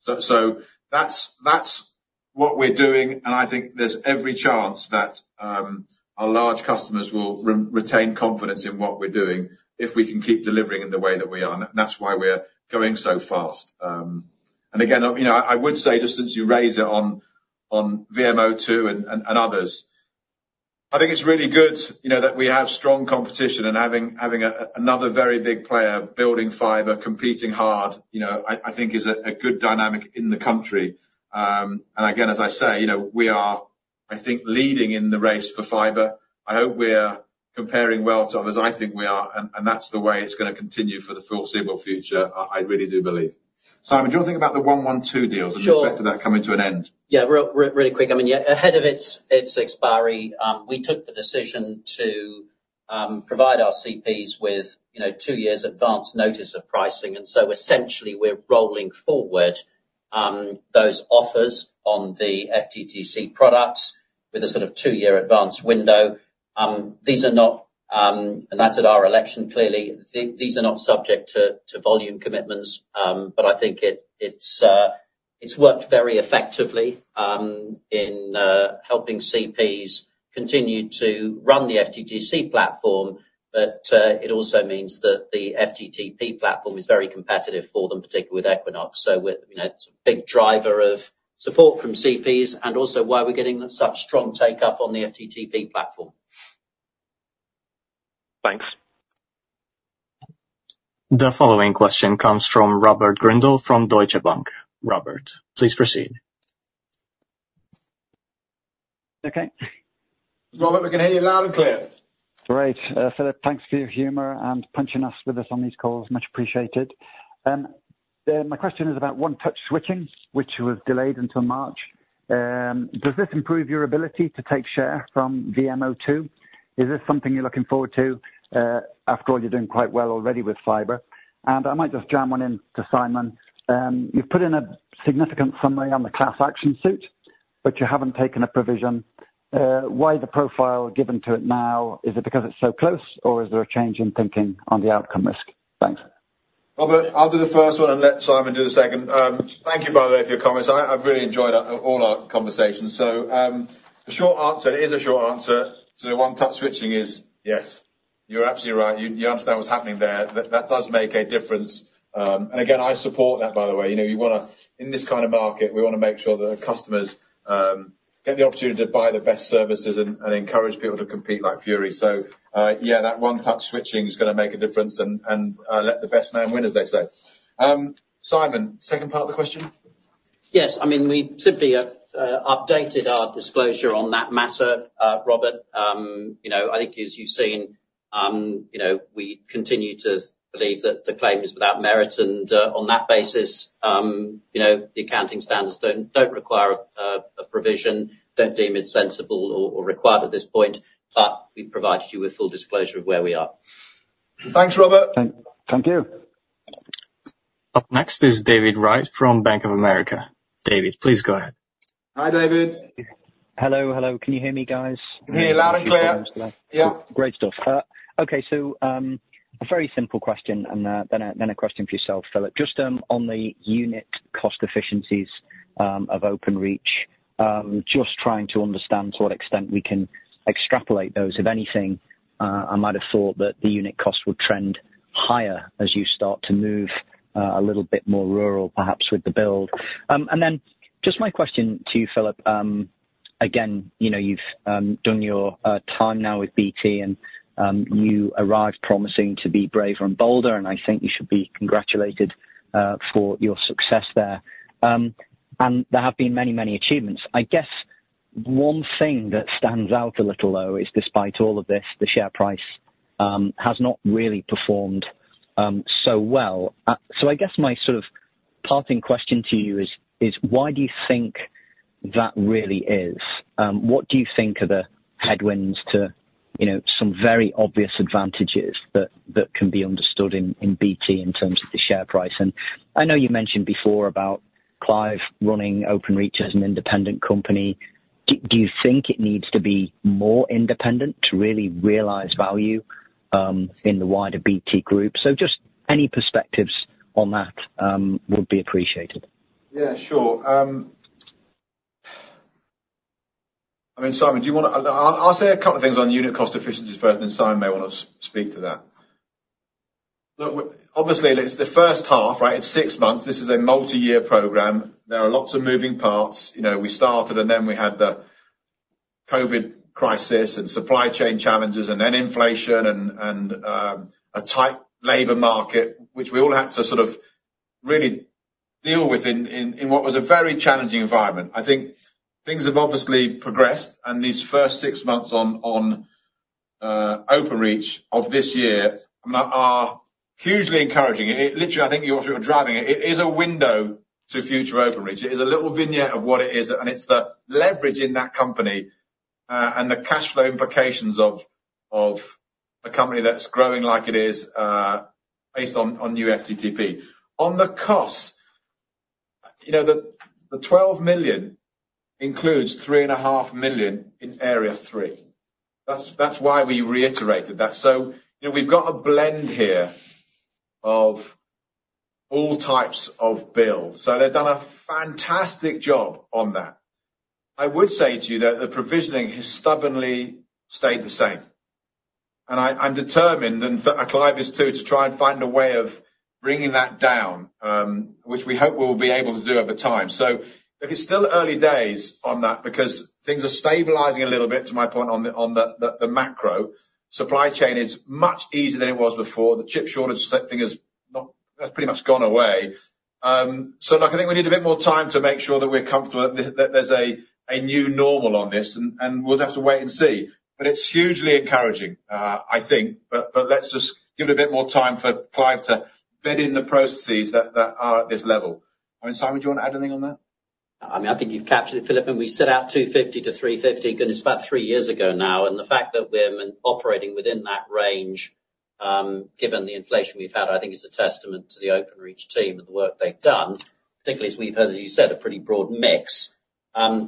So that's what we're doing, and I think there's every chance that our large customers will retain confidence in what we're doing if we can keep delivering in the way that we are. And that's why we're going so fast. And again, you know, I would say, just since you raised it on VMO2 and others, I think it's really good, you know, that we have strong competition and having a another very big player building fiber, competing hard, you know, I think is a good dynamic in the country. And again, as I say, you know, we are- I think leading in the race for fiber. I hope we're comparing well to others, I think we are, and, and that's the way it's gonna continue for the foreseeable future. I really do believe. Simon, do you want to think about the 112 deals- Sure. and the effect of that coming to an end? Yeah, really quick. I mean, yeah, ahead of its expiry, we took the decision to provide our CPs with, you know, 2 years advance notice of pricing, and so essentially, we're rolling forward those offers on the FTTC products with a sort of 2-year advance window. These are not... And that's at our election, clearly. These are not subject to volume commitments, but I think it's worked very effectively in helping CPs continue to run the FTTC platform. But it also means that the FTTP platform is very competitive for them, particularly with Equinox. So we're, you know, it's a big driver of support from CPs and also why we're getting such strong take-up on the FTTP platform. Thanks. The following question comes from Robert Grindle, from Deutsche Bank. Robert, please proceed. Okay. Robert, we can hear you loud and clear. Great. Philip, thanks for your humor and joining us on these calls. Much appreciated. My question is about One-Touch Switching, which was delayed until March. Does this improve your ability to take share from VMO2? Is this something you're looking forward to? After all, you're doing quite well already with fiber. And I might just jam one in to Simon. You've put in a significant summary on the class action suit, but you haven't taken a provision. Why the profile given to it now? Is it because it's so close, or is there a change in thinking on the outcome risk? Thanks. Robert, I'll do the first one and let Simon do the second. Thank you, by the way, for your comments. I've really enjoyed all our conversations. So, the short answer, it is a short answer to the One-Touch Switching is yes. You're absolutely right. You understand what's happening there. That does make a difference. And again, I support that, by the way. You know, you wanna in this kind of market, we wanna make sure that our customers get the opportunity to buy the best services and encourage people to compete like fury. So, yeah, that One-Touch Switching is gonna make a difference, and let the best man win, as they say. Simon, second part of the question? Yes. I mean, we simply updated our disclosure on that matter, Robert. You know, I think as you've seen, you know, we continue to believe that the claim is without merit, and on that basis, you know, the accounting standards don't require a provision, don't deem it sensible or required at this point, but we've provided you with full disclosure of where we are. Thanks, Robert. Thank you. Up next is David Wright from Bank of America. David, please go ahead. Hi, David. Hello, hello. Can you hear me, guys? Can hear you loud and clear. Great. Yeah. Great stuff. Okay, so, a very simple question and, then a question for yourself, Philip. Just on the unit cost efficiencies of Openreach. Just trying to understand to what extent we can extrapolate those, if anything. I might have thought that the unit cost would trend higher as you start to move a little bit more rural, perhaps with the build. And then just my question to you, Philip, again, you know, you've done your time now with BT, and you arrived promising to be braver and bolder, and I think you should be congratulated for your success there. And there have been many, many achievements. I guess one thing that stands out a little, though, is despite all of this, the share price has not really performed so well. So I guess my sort of parting question to you is, is why do you think that really is? What do you think are the headwinds to, you know, some very obvious advantages that can be understood in BT in terms of the share price? And I know you mentioned before about Clive running Openreach as an independent company. Do you think it needs to be more independent to really realize value in the wider BT group? So just any perspectives on that would be appreciated. Yeah, sure. I mean, Simon, do you wanna... I'll say a couple of things on unit cost efficiencies first, and then Simon may want to speak to that. Look, obviously, it's the first half, right? It's six months. This is a multi-year program. There are lots of moving parts. You know, we started, and then we had the COVID crisis and supply chain challenges and then inflation and a tight labor market, which we all had to sort of really deal with in what was a very challenging environment. I think things have obviously progressed, and these first six months on Openreach of this year are hugely encouraging. It literally, I think you're driving it. It is a window to future Openreach. It is a little vignette of what it is, and it's the leverage in that company, and the cash flow implications of a company that's growing like it is, based on new FTTP. On the costs, you know, the twelve million includes three and a half million in Area 3. That's why we reiterated that. So, you know, we've got a blend here of all types of build. So they've done a fantastic job on that. I would say to you that the provisioning has stubbornly stayed the same, and I'm determined, and so Clive is, too, to try and find a way of bringing that down, which we hope we'll be able to do over time. So it's still early days on that because things are stabilizing a little bit, to my point on the macro. Supply chain is much easier than it was before. The chip shortage, that thing, has not. That's pretty much gone away. So look, I think we need a bit more time to make sure that we're comfortable that there's a new normal on this, and we'll just have to wait and see. But it's hugely encouraging, I think. But let's just give it a bit more time for Clive to bed in the processes that are at this level. I mean, Simon, do you want to add anything on that? I mean, I think you've captured it, Philip, and we set out 250-350, goodness, about three years ago now, and the fact that we're operating within that range, given the inflation we've had, I think is a testament to the Openreach team and the work they've done, particularly as we've had, as you said, a pretty broad mix.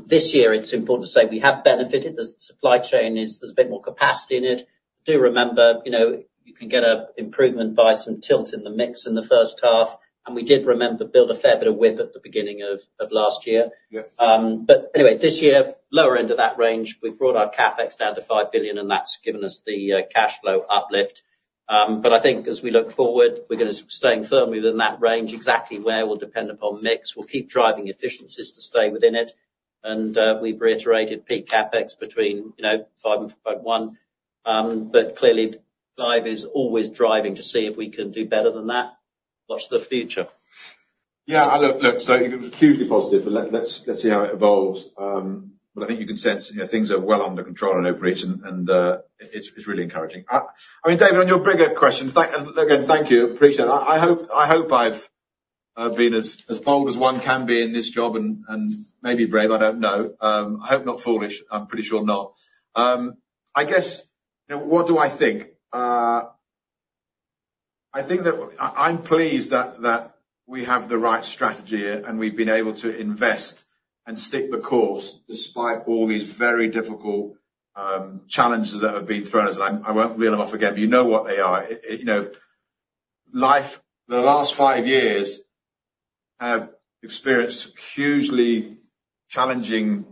This year it's important to say we have benefited, as the supply chain is—there's a bit more capacity in it. Do remember, you know, you can get an improvement by some tilt in the mix in the first half, and we did remember to build a fair bit of WIP at the beginning of last year. Yes. But anyway, this year, lower end of that range, we've brought our CapEx down to 5 billion, and that's given us the cash flow uplift. But I think as we look forward, we're gonna be staying firmly within that range. Exactly where will depend upon mix. We'll keep driving efficiencies to stay within it, and we've reiterated peak CapEx between, you know, 5 billion and 4.1 billion. But clearly, Clive is always driving to see if we can do better than that. Watch the future. Yeah, and look, so it was hugely positive, but let's see how it evolves. But I think you can sense, you know, things are well under control in Openreach, and it's really encouraging. I mean, David, on your bigger questions, and again, thank you. Appreciate it. I hope I've been as bold as one can be in this job and maybe brave, I don't know. I hope not foolish. I'm pretty sure not. I guess, what do I think? I think that I'm pleased that we have the right strategy here, and we've been able to invest and stick the course, despite all these very difficult challenges that have been thrown at us. I won't reel them off again, but you know what they are. You know, life... The last 5 years, I've experienced hugely challenging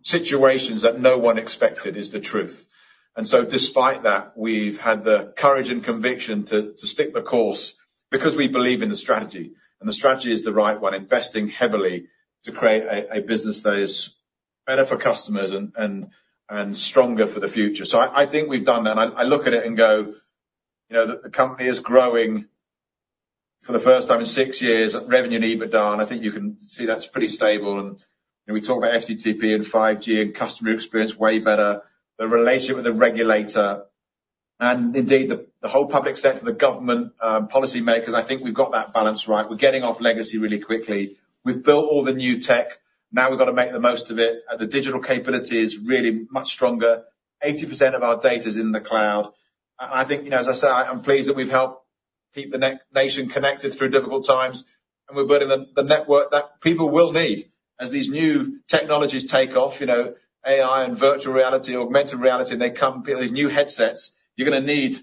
situations that no one expected, is the truth. And so despite that, we've had the courage and conviction to, to stick the course because we believe in the strategy, and the strategy is the right one: investing heavily to create a, a business that is better for customers and, and, and stronger for the future. So I, I think we've done that, and I, I look at it and go, you know, the, the company is growing for the first time in 6 years, revenue and EBITDA, and I think you can see that's pretty stable. And, you know, we talk about FTTP and 5G and customer experience, way better. The relationship with the regulator and indeed, the, the whole public sector, the government, policymakers, I think we've got that balance right. We're getting off legacy really quickly. We've built all the new tech. Now, we've got to make the most of it. The digital capability is really much stronger. 80% of our data is in the cloud. And I think, you know, as I said, I'm pleased that we've helped keep the nation connected through difficult times, and we're building the network that people will need as these new technologies take off. You know, AI and virtual reality, augmented reality, they come, build these new headsets. You're gonna need...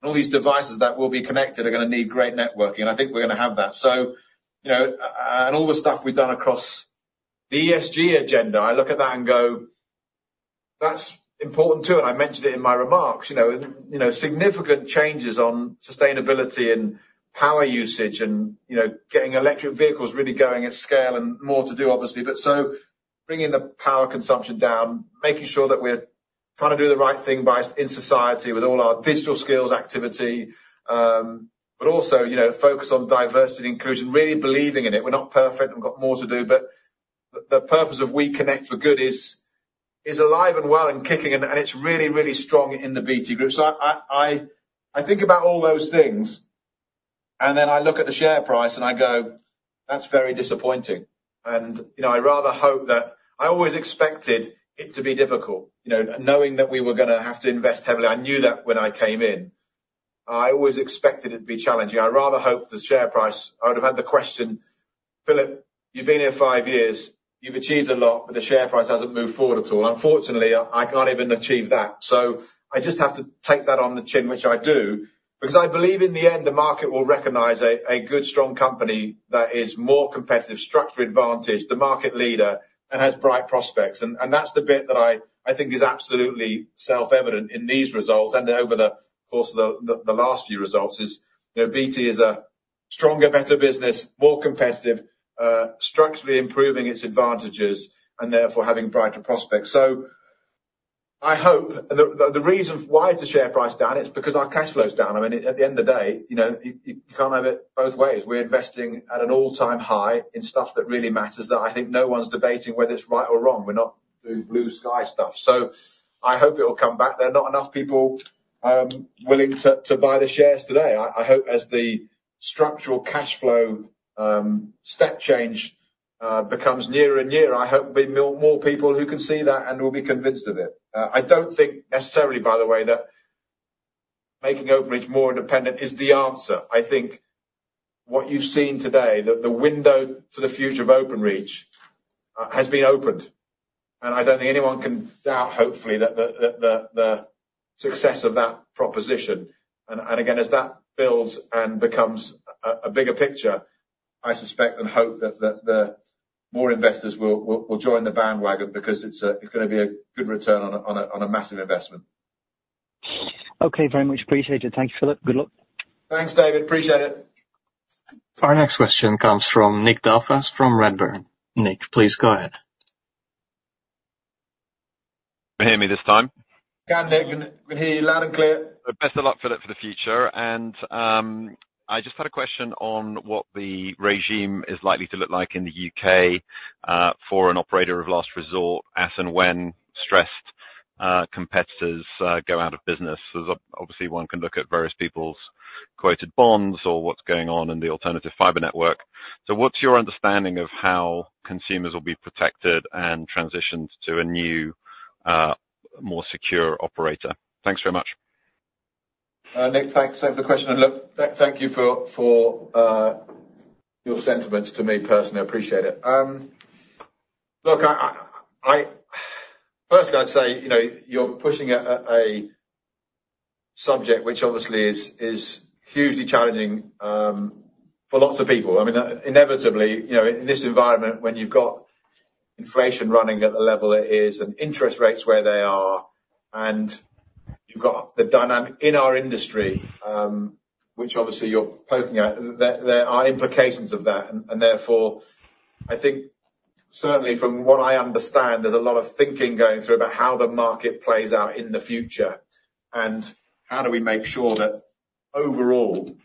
All these devices that will be connected are gonna need great networking, and I think we're gonna have that. So, you know, and all the stuff we've done across the ESG agenda, I look at that and go, "That's important, too." And I mentioned it in my remarks, you know, and, you know, significant changes on sustainability and power usage and, you know, getting electric vehicles really going at scale and more to do, obviously. But so bringing the power consumption down, making sure that we're trying to do the right thing by society with all our digital skills activity, but also, you know, focus on diversity and inclusion, really believing in it. We're not perfect. We've got more to do, but the purpose of We Connect for Good is alive and well and kicking, and it's really, really strong in the BT Group. So I think about all those things, and then I look at the share price, and I go, "That's very disappointing." And, you know, I rather hope that... I always expected it to be difficult, you know, knowing that we were gonna have to invest heavily. I knew that when I came in. I always expected it to be challenging. I rather hope the share price. I would have had the question: "Philip, you've been here five years, you've achieved a lot, but the share price hasn't moved forward at all." Unfortunately, I can't even achieve that. So I just have to take that on the chin, which I do, because I believe in the end, the market will recognize a good, strong company that is more competitive, structured advantage, the market leader, and has bright prospects. That's the bit that I think is absolutely self-evident in these results, and over the course of the last few results is, you know, BT is a stronger, better business, more competitive, structurally improving its advantages, and therefore, having brighter prospects. So I hope... The reason why the share price is down is because our cash flow is down. I mean, at the end of the day, you know, you can't have it both ways. We're investing at an all-time high in stuff that really matters, that I think no one's debating whether it's right or wrong. We're not doing blue sky stuff. So I hope it'll come back. There are not enough people willing to buy the shares today. I hope as the structural cashflow step change becomes nearer and nearer, I hope there'll be more people who can see that and will be convinced of it. I don't think necessarily, by the way, that making Openreach more independent is the answer. I think what you've seen today, that the window to the future of Openreach has been opened, and I don't think anyone can doubt, hopefully, that the success of that proposition. And again, as that builds and becomes a bigger picture, I suspect and hope that more investors will join the bandwagon because it's gonna be a good return on a massive investment. Okay. Very much appreciated. Thank you, Philip. Good luck. Thanks, David. Appreciate it. Our next question comes from Nick Delfas from Redburn. Nick, please go ahead.... Can you hear me this time? Can, Nick. We can hear you loud and clear. Best of luck for the, for the future. I just had a question on what the regime is likely to look like in the UK for an Operator of Last Resort, as and when stressed competitors go out of business. There's obviously one can look at various people's quoted bonds or what's going on in the alternative fiber network. So what's your understanding of how Consumers will be protected and transitioned to a new more secure operator? Thanks very much. Nick, thanks for the question, and look, thank you for your sentiments to me personally. I appreciate it. Look, I personally, I'd say, you know, you're pushing a subject which obviously is hugely challenging for lots of people. I mean, inevitably, you know, in this environment, when you've got inflation running at the level it is, and interest rates where they are, and you've got the dynamic in our industry, which obviously you're poking at, there are implications of that. Therefore, I think certainly from what I understand, there's a lot of thinking going through about how the market plays out in the future, and how do we make sure that overall,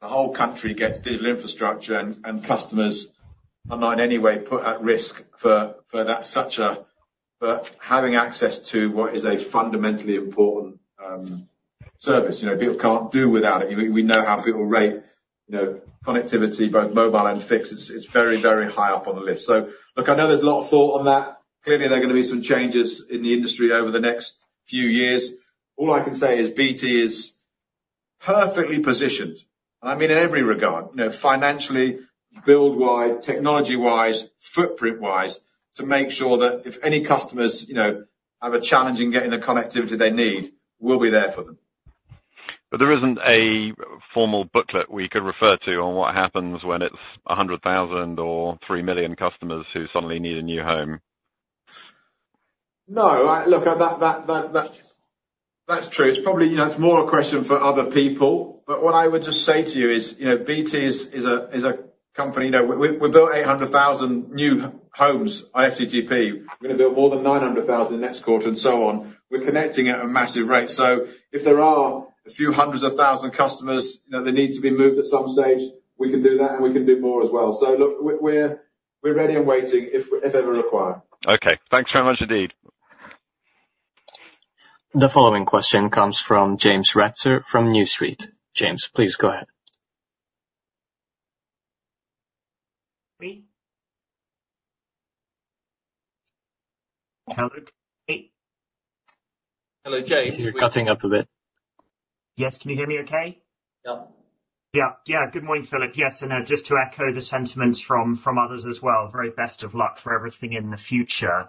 the whole country gets digital infrastructure, and customers are not in any way put at risk for that but having access to what is a fundamentally important service, you know, people can't do without it. We know how people rate, you know, connectivity, both mobile and fixed. It's very, very high up on the list. So look, I know there's a lot of thought on that. Clearly, there are gonna be some changes in the industry over the next few years. All I can say is, BT is perfectly positioned, and I mean, in every regard, you know, financially, build-wide, technology-wise, footprint-wise, to make sure that if any customers, you know, have a challenge in getting the connectivity they need, we'll be there for them. But there isn't a formal booklet we could refer to on what happens when it's 100,000 or 3 million customers who suddenly need a new home? No. Look, that's true. It's probably, you know, it's more a question for other people. But what I would just say to you is, you know, BT is a company. You know, we built 800,000 new homes, FTTP. We're gonna build more than 900,000 next quarter, and so on. We're connecting at a massive rate. So if there are a few hundred thousand customers, you know, that need to be moved at some stage, we can do that, and we can do more as well. So look, we're ready and waiting if ever required. Okay. Thanks very much indeed. The following question comes from James Ratzer from New Street. James, please go ahead. Me? Hello, can you hear me? Hello, James. You're cutting up a bit. Yes. Can you hear me okay? Yeah. Yeah, yeah. Good morning, Philip. Yes, and just to echo the sentiments from, from others as well, very best of luck for everything in the future.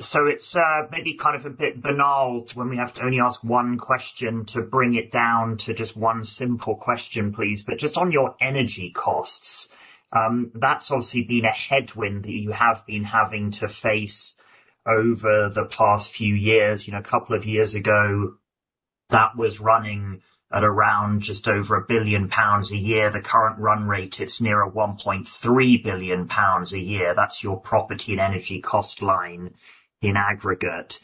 So it's maybe kind of a bit banal when we have to only ask one question, to bring it down to just one simple question, please, but just on your energy costs, that's obviously been a headwind that you have been having to face over the past few years. You know, a couple of years ago, that was running at around just over 1 billion pounds a year. The current run rate, it's near 1.3 billion pounds a year. That's your property and energy cost line in aggregate.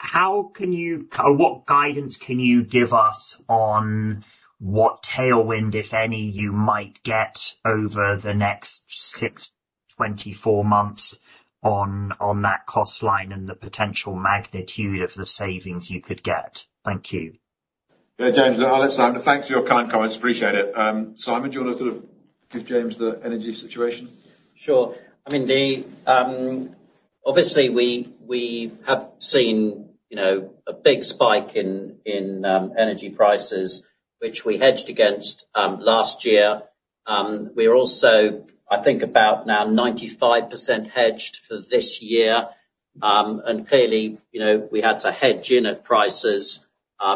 How can you, what guidance can you give us on what tailwind, if any, you might get over the next 6-24 months on that cost line and the potential magnitude of the savings you could get? Thank you. Yeah, James, I'll let Simon... Thanks for your kind comments. Appreciate it. Simon, do you want to sort of give James the energy situation? Sure. I mean, the, obviously we, we have seen, you know, a big spike in, in, energy prices, which we hedged against, last year. We are also, I think, about now 95% hedged for this year. And clearly, you know, we had to hedge in at prices,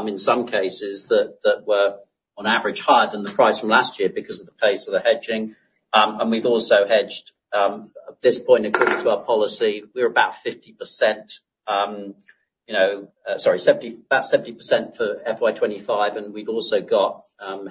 in some cases that, that were, on average, higher than the price from last year because of the pace of the hedging. And we've also hedged, at this point, according to our policy, we're about 50%, you know, sorry, 70%, about 70% for FY 2025, and we've also got,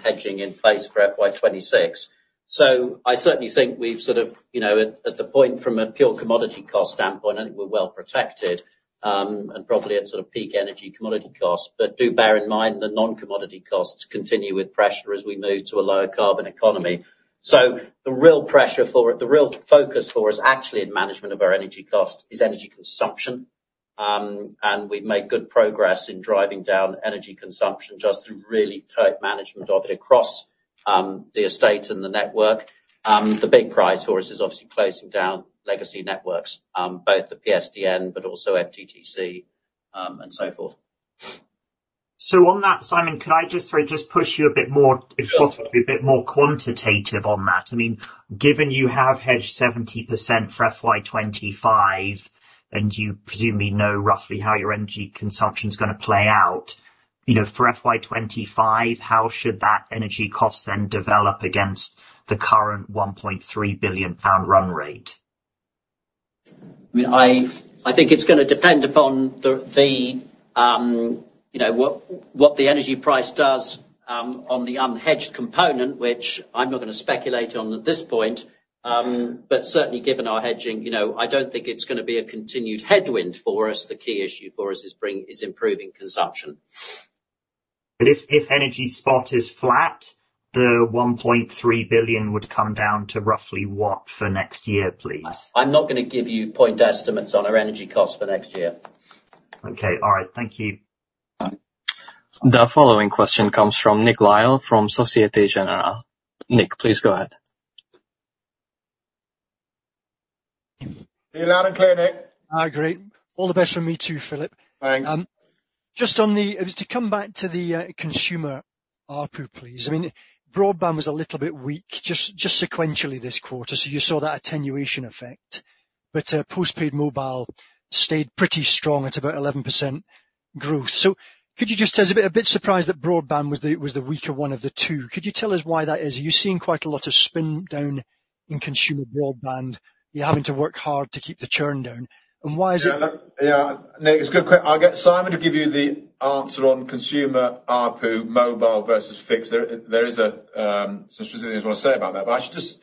hedging in place for FY 2026. So I certainly think we've sort of, you know, at, at the point from a pure commodity cost standpoint, I think we're well protected, and probably at sort of peak energy commodity cost. But do bear in mind, the non-commodity costs continue with pressure as we move to a lower carbon economy. So the real pressure for... The real focus for us, actually, in management of our energy cost is energy consumption. And we've made good progress in driving down energy consumption just through really tight management of it across, the estate and the network. The big prize for us is obviously closing down legacy networks, both the PSTN, but also FTTC, and so forth. On that, Simon, could I just sort of just push you a bit more- Sure. if possible, to be a bit more quantitative on that? I mean, given you have hedged 70% for FY 2025, and you presumably know roughly how your energy consumption is gonna play out, you know, for FY 2025, how should that energy cost then develop against the current 1.3 billion pound run rate? I mean, I think it's gonna depend upon the you know, what the energy price does on the unhedged component, which I'm not gonna speculate on at this point, but certainly given our hedging, you know, I don't think it's gonna be a continued headwind for us. The key issue for us is improving consumption. But if energy spot is flat, the 1.3 billion would come down to roughly what for next year, please? I'm not gonna give you point estimates on our energy costs for next year. Okay. All right. Thank you. The following question comes from Nick Lyall from Société Générale. Nick, please go ahead. Be loud and clear, Nick. Ah, great. All the best from me, too, Philip. Thanks. Just to come back to the Consumer ARPU, please. I mean, broadband was a little bit weak, just sequentially this quarter, so you saw that attenuation effect. But postpaid mobile stayed pretty strong at about 11% growth. So could you just tell us a bit. A bit surprised that broadband was the weaker one of the two. Could you tell us why that is? Are you seeing quite a lot of spin down in Consumer broadband? You're having to work hard to keep the churn down, and why is it- Yeah. Yeah, Nick, it's a good question. I'll get Simon to give you the answer on Consumer ARPU, mobile versus fixed. There is some specific things I want to say about that, but I should just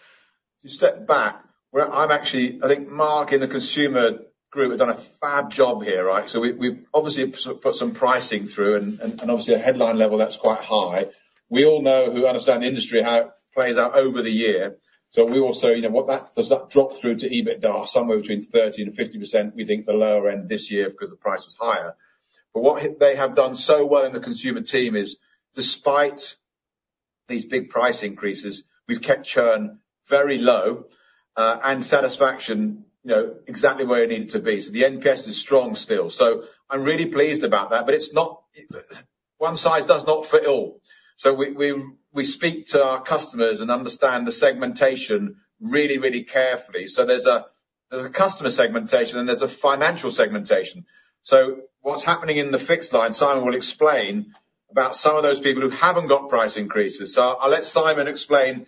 step back. Where I'm actually - I think Mark and the Consumer group have done a fab job here, right? So we, we've obviously put some pricing through and obviously a headline level that's quite high. We all know, who understand the industry, how it plays out over the year. So we also, you know what that, does that drop through to EBITDA? Somewhere between 30%-50%. We think the lower end this year because the price was higher. But what they have done so well in the Consumer team is, despite these big price increases, we've kept churn very low, and satisfaction, you know, exactly where it needed to be. So the NPS is strong still. So I'm really pleased about that, but it's not. One size does not fit all. So we speak to our customers and understand the segmentation really, really carefully. So there's a customer segmentation, and there's a financial segmentation. So what's happening in the fixed line, Simon will explain about some of those people who haven't got price increases. So I'll let Simon explain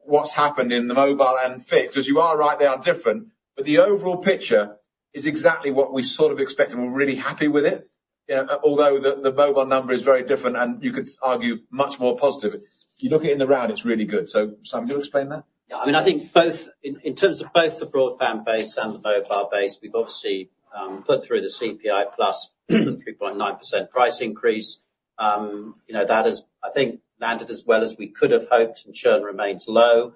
what's happened in the mobile and fixed, because you are right, they are different. But the overall picture is exactly what we sort of expected, and we're really happy with it. Yeah, although the mobile number is very different, and you could argue much more positive. You look at it in the round, it's really good. So, Simon, do you want to explain that? Yeah. I mean, I think both, in, in terms of both the broadband base and the mobile base, we've obviously put through the CPI plus 3.9% price increase. You know, that has, I think, landed as well as we could have hoped, and churn remains low.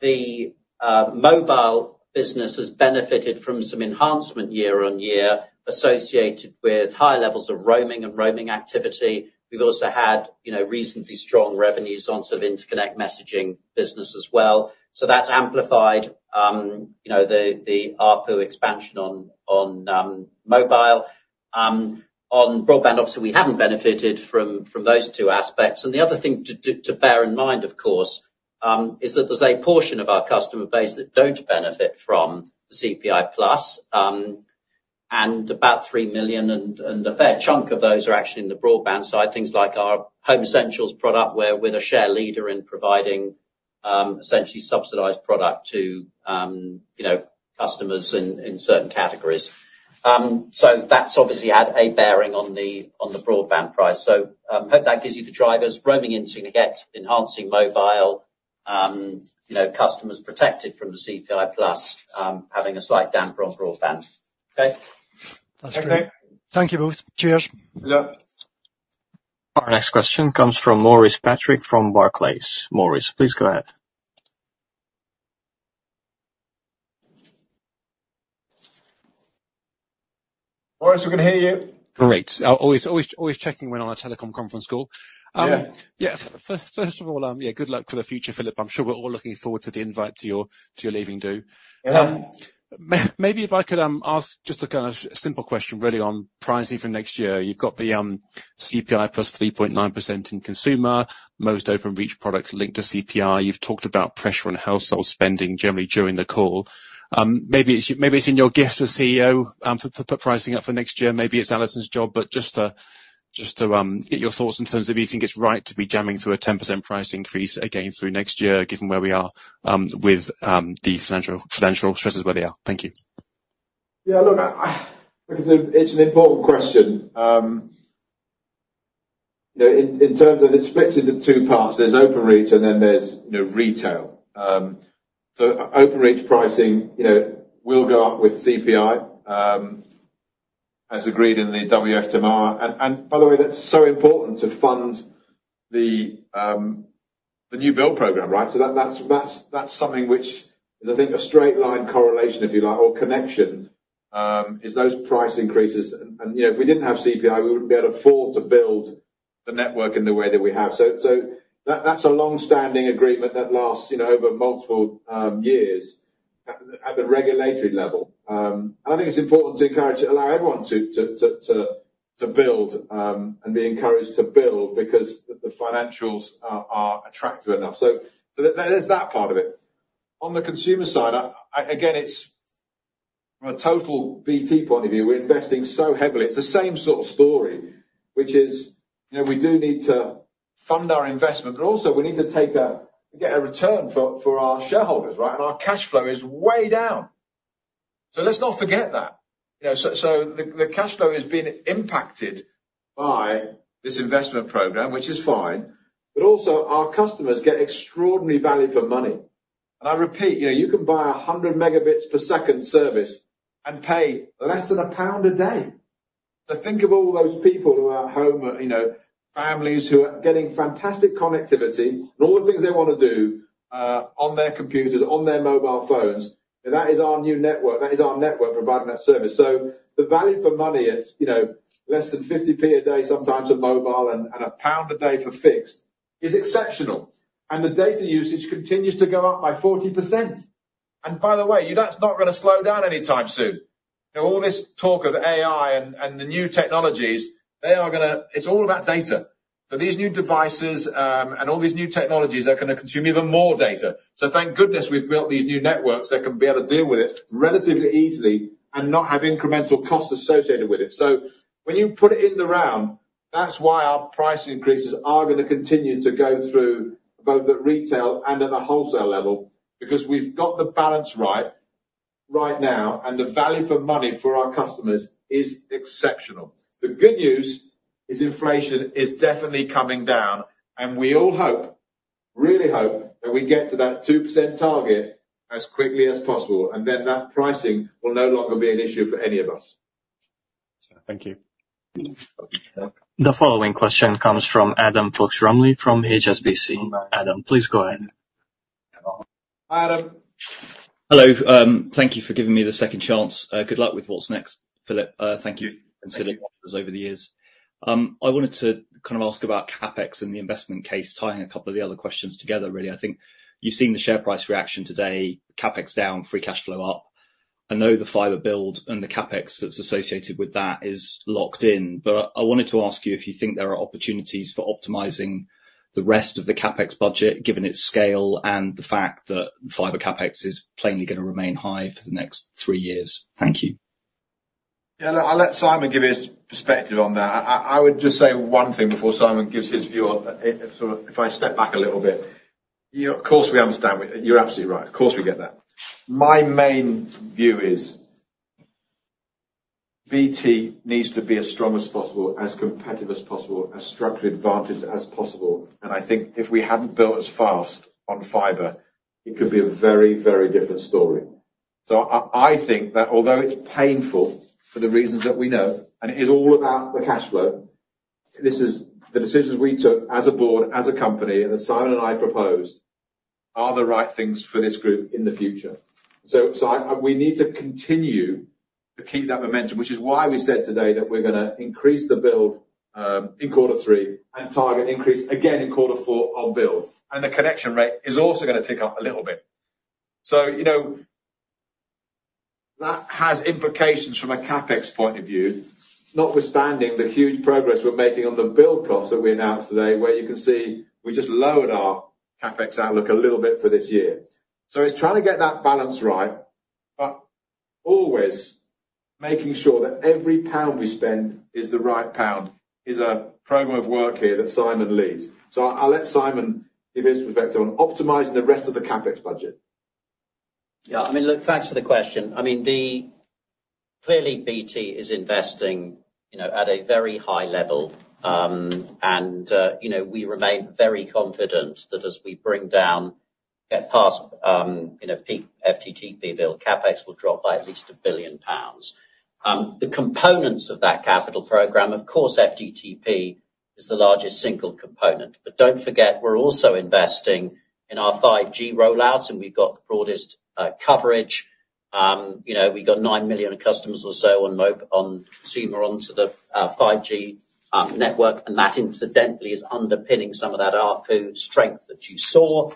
The mobile business has benefited from some enhancement year on year, associated with higher levels of roaming and roaming activity. We've also had, you know, reasonably strong revenues on some interconnect messaging business as well. So that's amplified, you know, the, the ARPU expansion on, on mobile. On broadband, obviously, we haven't benefited from, from those two aspects. The other thing to bear in mind, of course, is that there's a portion of our customer base that don't benefit from the CPI plus, and about 3 million and a fair chunk of those are actually in the broadband side, things like our Home Essentials product, where we're a share leader in providing essentially subsidized product to you know customers in certain categories. So that's obviously had a bearing on the broadband price. So hope that gives you the drivers. Roaming interconnect, enhancing mobile you know customers protected from the CPI plus having a slight damper on broadband. Okay? That's great. Thank you both. Cheers. Yeah. Our next question comes from Maurice Patrick, from Barclays. Maurice, please go ahead. Maurice, we can hear you. Great. I'm always, always, always checking when on a telecom conference call. Yeah. Yeah, first of all, yeah, good luck for the future, Philip. I'm sure we're all looking forward to the invite to your, to your leaving do. Yeah. Maybe if I could ask just a kind of simple question, really, on pricing for next year. You've got the CPI plus 3.9% in Consumer, most Openreach products linked to CPI. You've talked about pressure on household spending generally during the call. Maybe it's in your gift as CEO to put pricing up for next year. Maybe it's Allison's job, but just to get your thoughts in terms of if you think it's right to be jamming through a 10% price increase again through next year, given where we are with the financial stresses where they are. Thank you. Yeah, look, I... Because it's an important question. You know, in terms of, it's split into two parts, there's Openreach, and then there's, you know, retail. So Openreach pricing, you know, will go up with CPI, as agreed in the WFTMR. And by the way, that's so important to fund the new build program, right? So that's something which is, I think, a straight line correlation, if you like, or connection, is those price increases. And, you know, if we didn't have CPI, we wouldn't be able to afford to build the network in the way that we have. So that's a long-standing agreement that lasts, you know, over multiple years at the regulatory level. I think it's important to encourage, allow everyone to build, and be encouraged to build because the financials are attractive enough. There's that part of it. On the Consumer side, I, again, it's from a total BT point of view, we're investing so heavily. It's the same sort of story, which is, you know, we do need to fund our investment, but also we need to get a return for our shareholders, right? Our cash flow is way down. Let's not forget that. You know, the cash flow has been impacted by this investment program, which is fine, but also our customers get extraordinary value for money. I repeat, you can buy a 100 megabits per second service and pay less than GBP 1 a day. So think of all those people who are at home, you know, families who are getting fantastic connectivity and all the things they want to do, on their computers, on their mobile phones, and that is our new network. That is our network providing that service. So the value for money, it's, you know, less than 0.50 a day, sometimes on mobile and a GBP 1 a day for fixed, is exceptional. And the data usage continues to go up by 40%. And by the way, you know that's not gonna slow down anytime soon. You know, all this talk of AI and the new technologies, they are gonna, it's all about data. But these new devices and all these new technologies are gonna consume even more data. So thank goodness, we've built these new networks that can be able to deal with it relatively easily and not have incremental costs associated with it. So when you put it in the round, that's why our price increases are gonna continue to go through, both at retail and at the wholesale level, because we've got the balance right, right now, and the value for money for our customers is exceptional. The good news is inflation is definitely coming down, and we all hope, really hope, that we get to that 2% target as quickly as possible, and then that pricing will no longer be an issue for any of us. Thank you. The following question comes from Adam Fox-Rumley from HSBC. Adam, please go ahead. Adam. Hello. Thank you for giving me the second chance. Good luck with what's next, Philip. Thank you. Thank you. Over the years. I wanted to kind of ask about CapEx and the investment case, tying a couple of the other questions together, really. I think you've seen the share price reaction today, CapEx down, free cash flow up. I know the fiber build and the CapEx that's associated with that is locked in, but I wanted to ask you if you think there are opportunities for optimizing the rest of the CapEx budget, given its scale and the fact that fiber CapEx is plainly gonna remain high for the next three years. Thank you. Yeah, look, I'll let Simon give his perspective on that. I would just say one thing before Simon gives his view on it. So if I step back a little bit, you know, of course, we understand. You're absolutely right. Of course, we get that. My main view is, BT needs to be as strong as possible, as competitive as possible, as strategic advantage as possible, and I think if we hadn't built as fast on fiber, it could be a very, very different story. So I think that although it's painful for the reasons that we know, and it is all about the cash flow, this is the decisions we took as a board, as a company, and that Simon and I proposed, are the right things for this group in the future. So, we need to continue to keep that momentum, which is why we said today that we're gonna increase the build in quarter three and target increase again in quarter four on build. And the connection rate is also gonna tick up a little bit. So, you know, that has implications from a CapEx point of view, notwithstanding the huge progress we're making on the build costs that we announced today, where you can see we just lowered our CapEx outlook a little bit for this year. So it's trying to get that balance right, but always making sure that every pound we spend is the right pound, is a program of work here that Simon leads. So I'll let Simon give his perspective on optimizing the rest of the CapEx budget. Yeah, I mean, look, thanks for the question. I mean, clearly, BT is investing, you know, at a very high level, you know, we remain very confident that as we bring down, get past, you know, peak FTTP build, CapEx will drop by at least 1 billion pounds. The components of that capital program, of course, FTTP is the largest single component, but don't forget, we're also investing in our 5G rollout, and we've got the broadest, you know, coverage. You know, we got 9 million customers or so on Consumer onto the 5G network, and that incidentally, is underpinning some of that ARPU strength that you saw.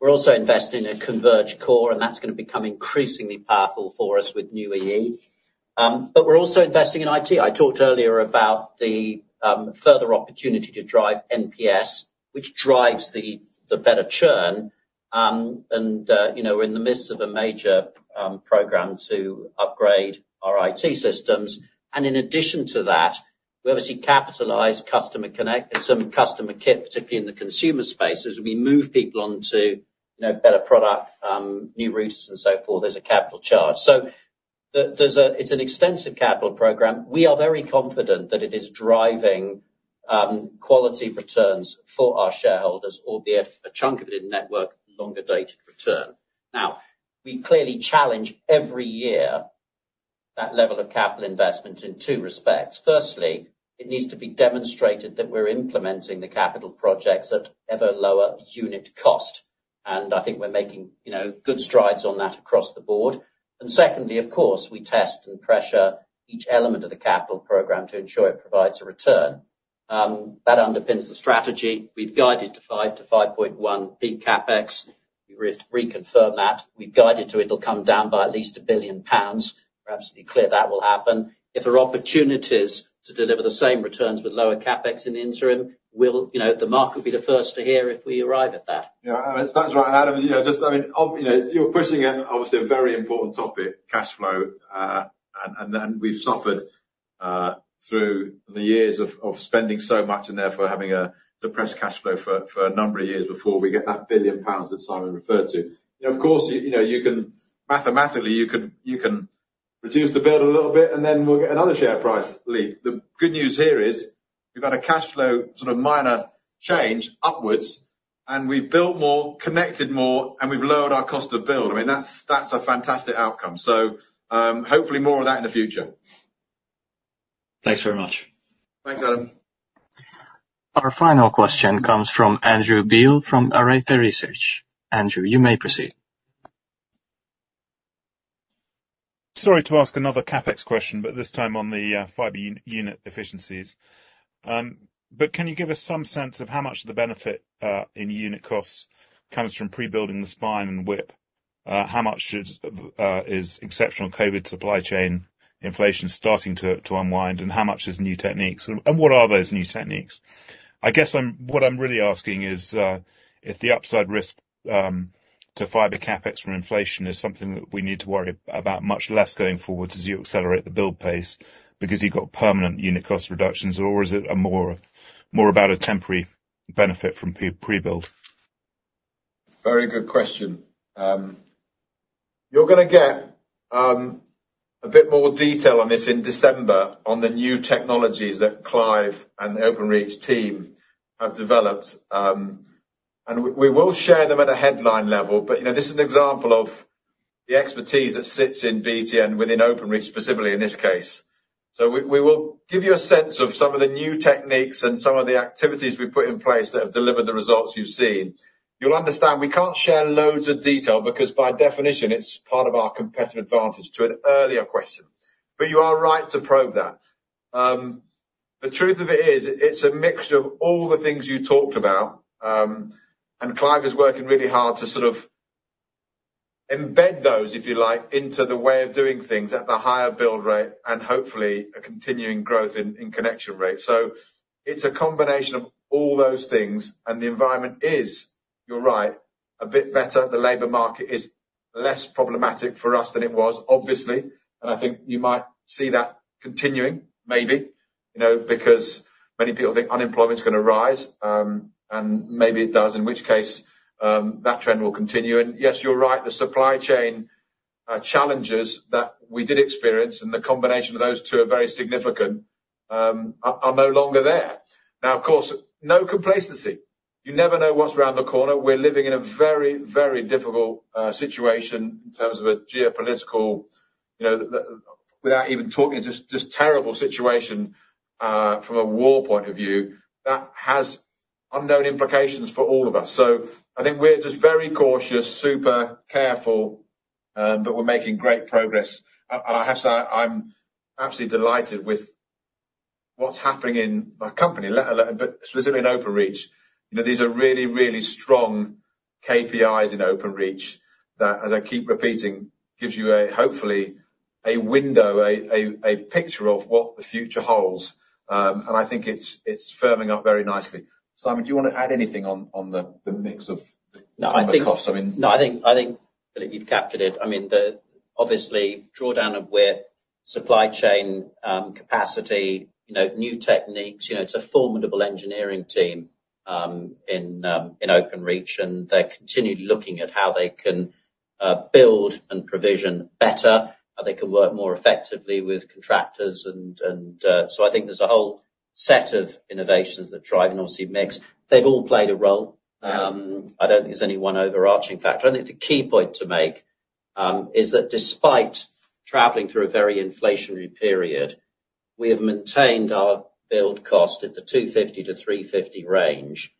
We're also investing in a converged core, and that's gonna become increasingly powerful for us with New EE. We're also investing in IT. I talked earlier about the further opportunity to drive NPS, which drives the better churn. You know, we're in the midst of a major program to upgrade our IT systems. And in addition to that, we obviously capitalize customer connect- some customer kit, particularly in the Consumer space, as we move people on to, you know, better product, new routes and so forth, there's a capital charge. So there's a-- it's an extensive capital program. We are very confident that it is driving quality returns for our shareholders, albeit a chunk of it in network, longer dated return. Now, we clearly challenge every year that level of capital investment in two respects. Firstly, it needs to be demonstrated that we're implementing the capital projects at ever lower unit cost, and I think we're making, you know, good strides on that across the board. Secondly, of course, we test and pressure each element of the capital program to ensure it provides a return. That underpins the strategy. We've guided to 5-5.1 peak CapEx. We reconfirm that. We've guided to it, it'll come down by at least 1 billion pounds. We're absolutely clear that will happen. If there are opportunities to deliver the same returns with lower CapEx in the interim, we'll... You know, the market will be the first to hear if we arrive at that. Yeah, that's right, Adam. You know, just, I mean, obviously, you know, you're pushing, obviously, a very important topic, cash flow, and then we've suffered through the years of spending so much and therefore having a depressed cash flow for a number of years before we get that 1 billion pounds that Simon referred to. Of course, you know, mathematically, you can reduce the build a little bit, and then we'll get another share price leap. The good news here is we've had a cash flow, sort of, minor change upwards, and we've built more, connected more, and we've lowered our cost to build. I mean, that's a fantastic outcome. So, hopefully more of that in the future. Thanks very much. Thanks, Adam. Our final question comes from Andrew Beale from Arete Research. Andrew, you may proceed. Sorry to ask another CapEx question, but this time on the fiber unit efficiencies. But can you give us some sense of how much of the benefit in unit costs comes from pre-building the spine and WIP? How much is exceptional COVID supply chain inflation starting to unwind? And how much is new techniques, and what are those new techniques? I guess what I'm really asking is if the upside risk to fiber CapEx from inflation is something that we need to worry about much less going forward as you accelerate the build pace because you've got permanent unit cost reductions, or is it more about a temporary benefit from pre-build? Very good question. You're gonna get a bit more detail on this in December on the new technologies that Clive and the Openreach team have developed. And we will share them at a headline level, but, you know, this is an example of the expertise that sits in BT and within Openreach, specifically in this case. So we will give you a sense of some of the new techniques and some of the activities we've put in place that have delivered the results you've seen. You'll understand we can't share loads of detail because, by definition, it's part of our competitive advantage to an earlier question. But you are right to probe that. The truth of it is, it's a mixture of all the things you talked about. And Clive is working really hard to sort of embed those, if you like, into the way of doing things at the higher build rate and hopefully a continuing growth in connection rate. So it's a combination of all those things, and the environment is, you're right, a bit better. The labor market is less problematic for us than it was, obviously, and I think you might see that continuing, maybe, you know, because many people think unemployment is gonna rise. And maybe it does, in which case, that trend will continue. And yes, you're right, the supply chain challenges that we did experience, and the combination of those two are very significant, are no longer there. Now, of course, no complacency. You never know what's around the corner. We're living in a very, very difficult situation in terms of a geopolitical, you know, without even talking, it's just, just terrible situation from a war point of view, that has unknown implications for all of us. So I think we're just very cautious, super careful, but we're making great progress. And I have to say, I'm absolutely delighted with what's happening in my company, but specifically in Openreach. You know, these are really, really strong KPIs in Openreach that, as I keep repeating, gives you a, hopefully, a window, a picture of what the future holds. And I think it's firming up very nicely. Simon, do you want to add anything on the mix of- No, I think- - costs? I mean... No, I think, I think that you've captured it. I mean, the obvious drawdown of WIP, supply chain capacity, you know, new techniques. You know, it's a formidable engineering team in Openreach, and they're continued looking at how they can build and provision better, how they can work more effectively with contractors and... So I think there's a whole set of innovations that drive, obviously, mix. They've all played a role. Yes. I don't think there's any one overarching factor. I think the key point to make is that despite traveling through a very inflationary period, we have maintained our build cost at the 250-350 range.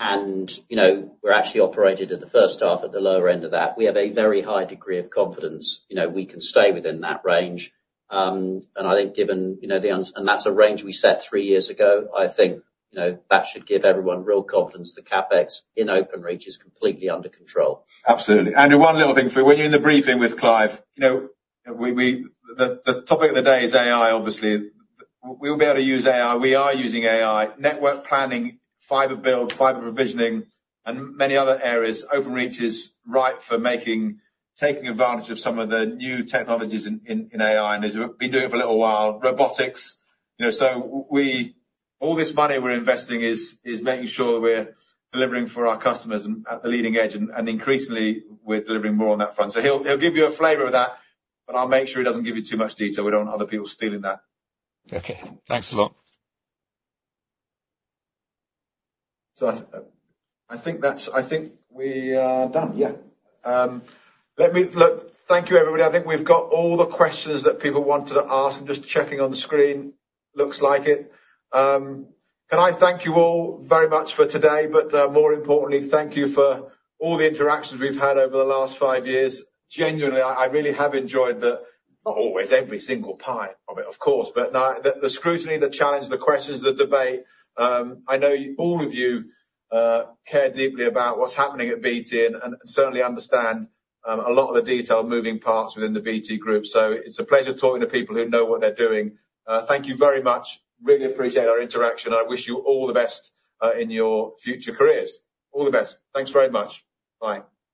And, you know, we're actually operated at the first half at the lower end of that. We have a very high degree of confidence. You know, we can stay within that range. And I think given, you know, and that's a range we set three years ago, I think, you know, that should give everyone real confidence the CapEx in Openreach is completely under control. Absolutely. Andrew, one little thing for you. When you're in the briefing with Clive, you know, the topic of the day is AI, obviously. We'll be able to use AI. We are using AI, network planning, fiber build, fiber provisioning, and many other areas. Openreach is ripe for taking advantage of some of the new technologies in AI, and as we've been doing for a little while, robotics, you know. So all this money we're investing is making sure we're delivering for our customers and at the leading edge, and increasingly, we're delivering more on that front. So he'll give you a flavor of that, but I'll make sure he doesn't give you too much detail. We don't want other people stealing that. Okay. Thanks a lot. So, I think that's—I think we are done. Yeah. Look, thank you, everybody. I think we've got all the questions that people wanted to ask. I'm just checking on the screen. Looks like it. Can I thank you all very much for today, but more importantly, thank you for all the interactions we've had over the last five years? Genuinely, I really have enjoyed the... Not always every single part of it, of course, but the scrutiny, the challenge, the questions, the debate. I know all of you care deeply about what's happening at BT and certainly understand a lot of the detailed moving parts within the BT Group. So it's a pleasure talking to people who know what they're doing. Thank you very much. Really appreciate our interaction. I wish you all the best in your future careers. All the best. Thanks very much. Bye.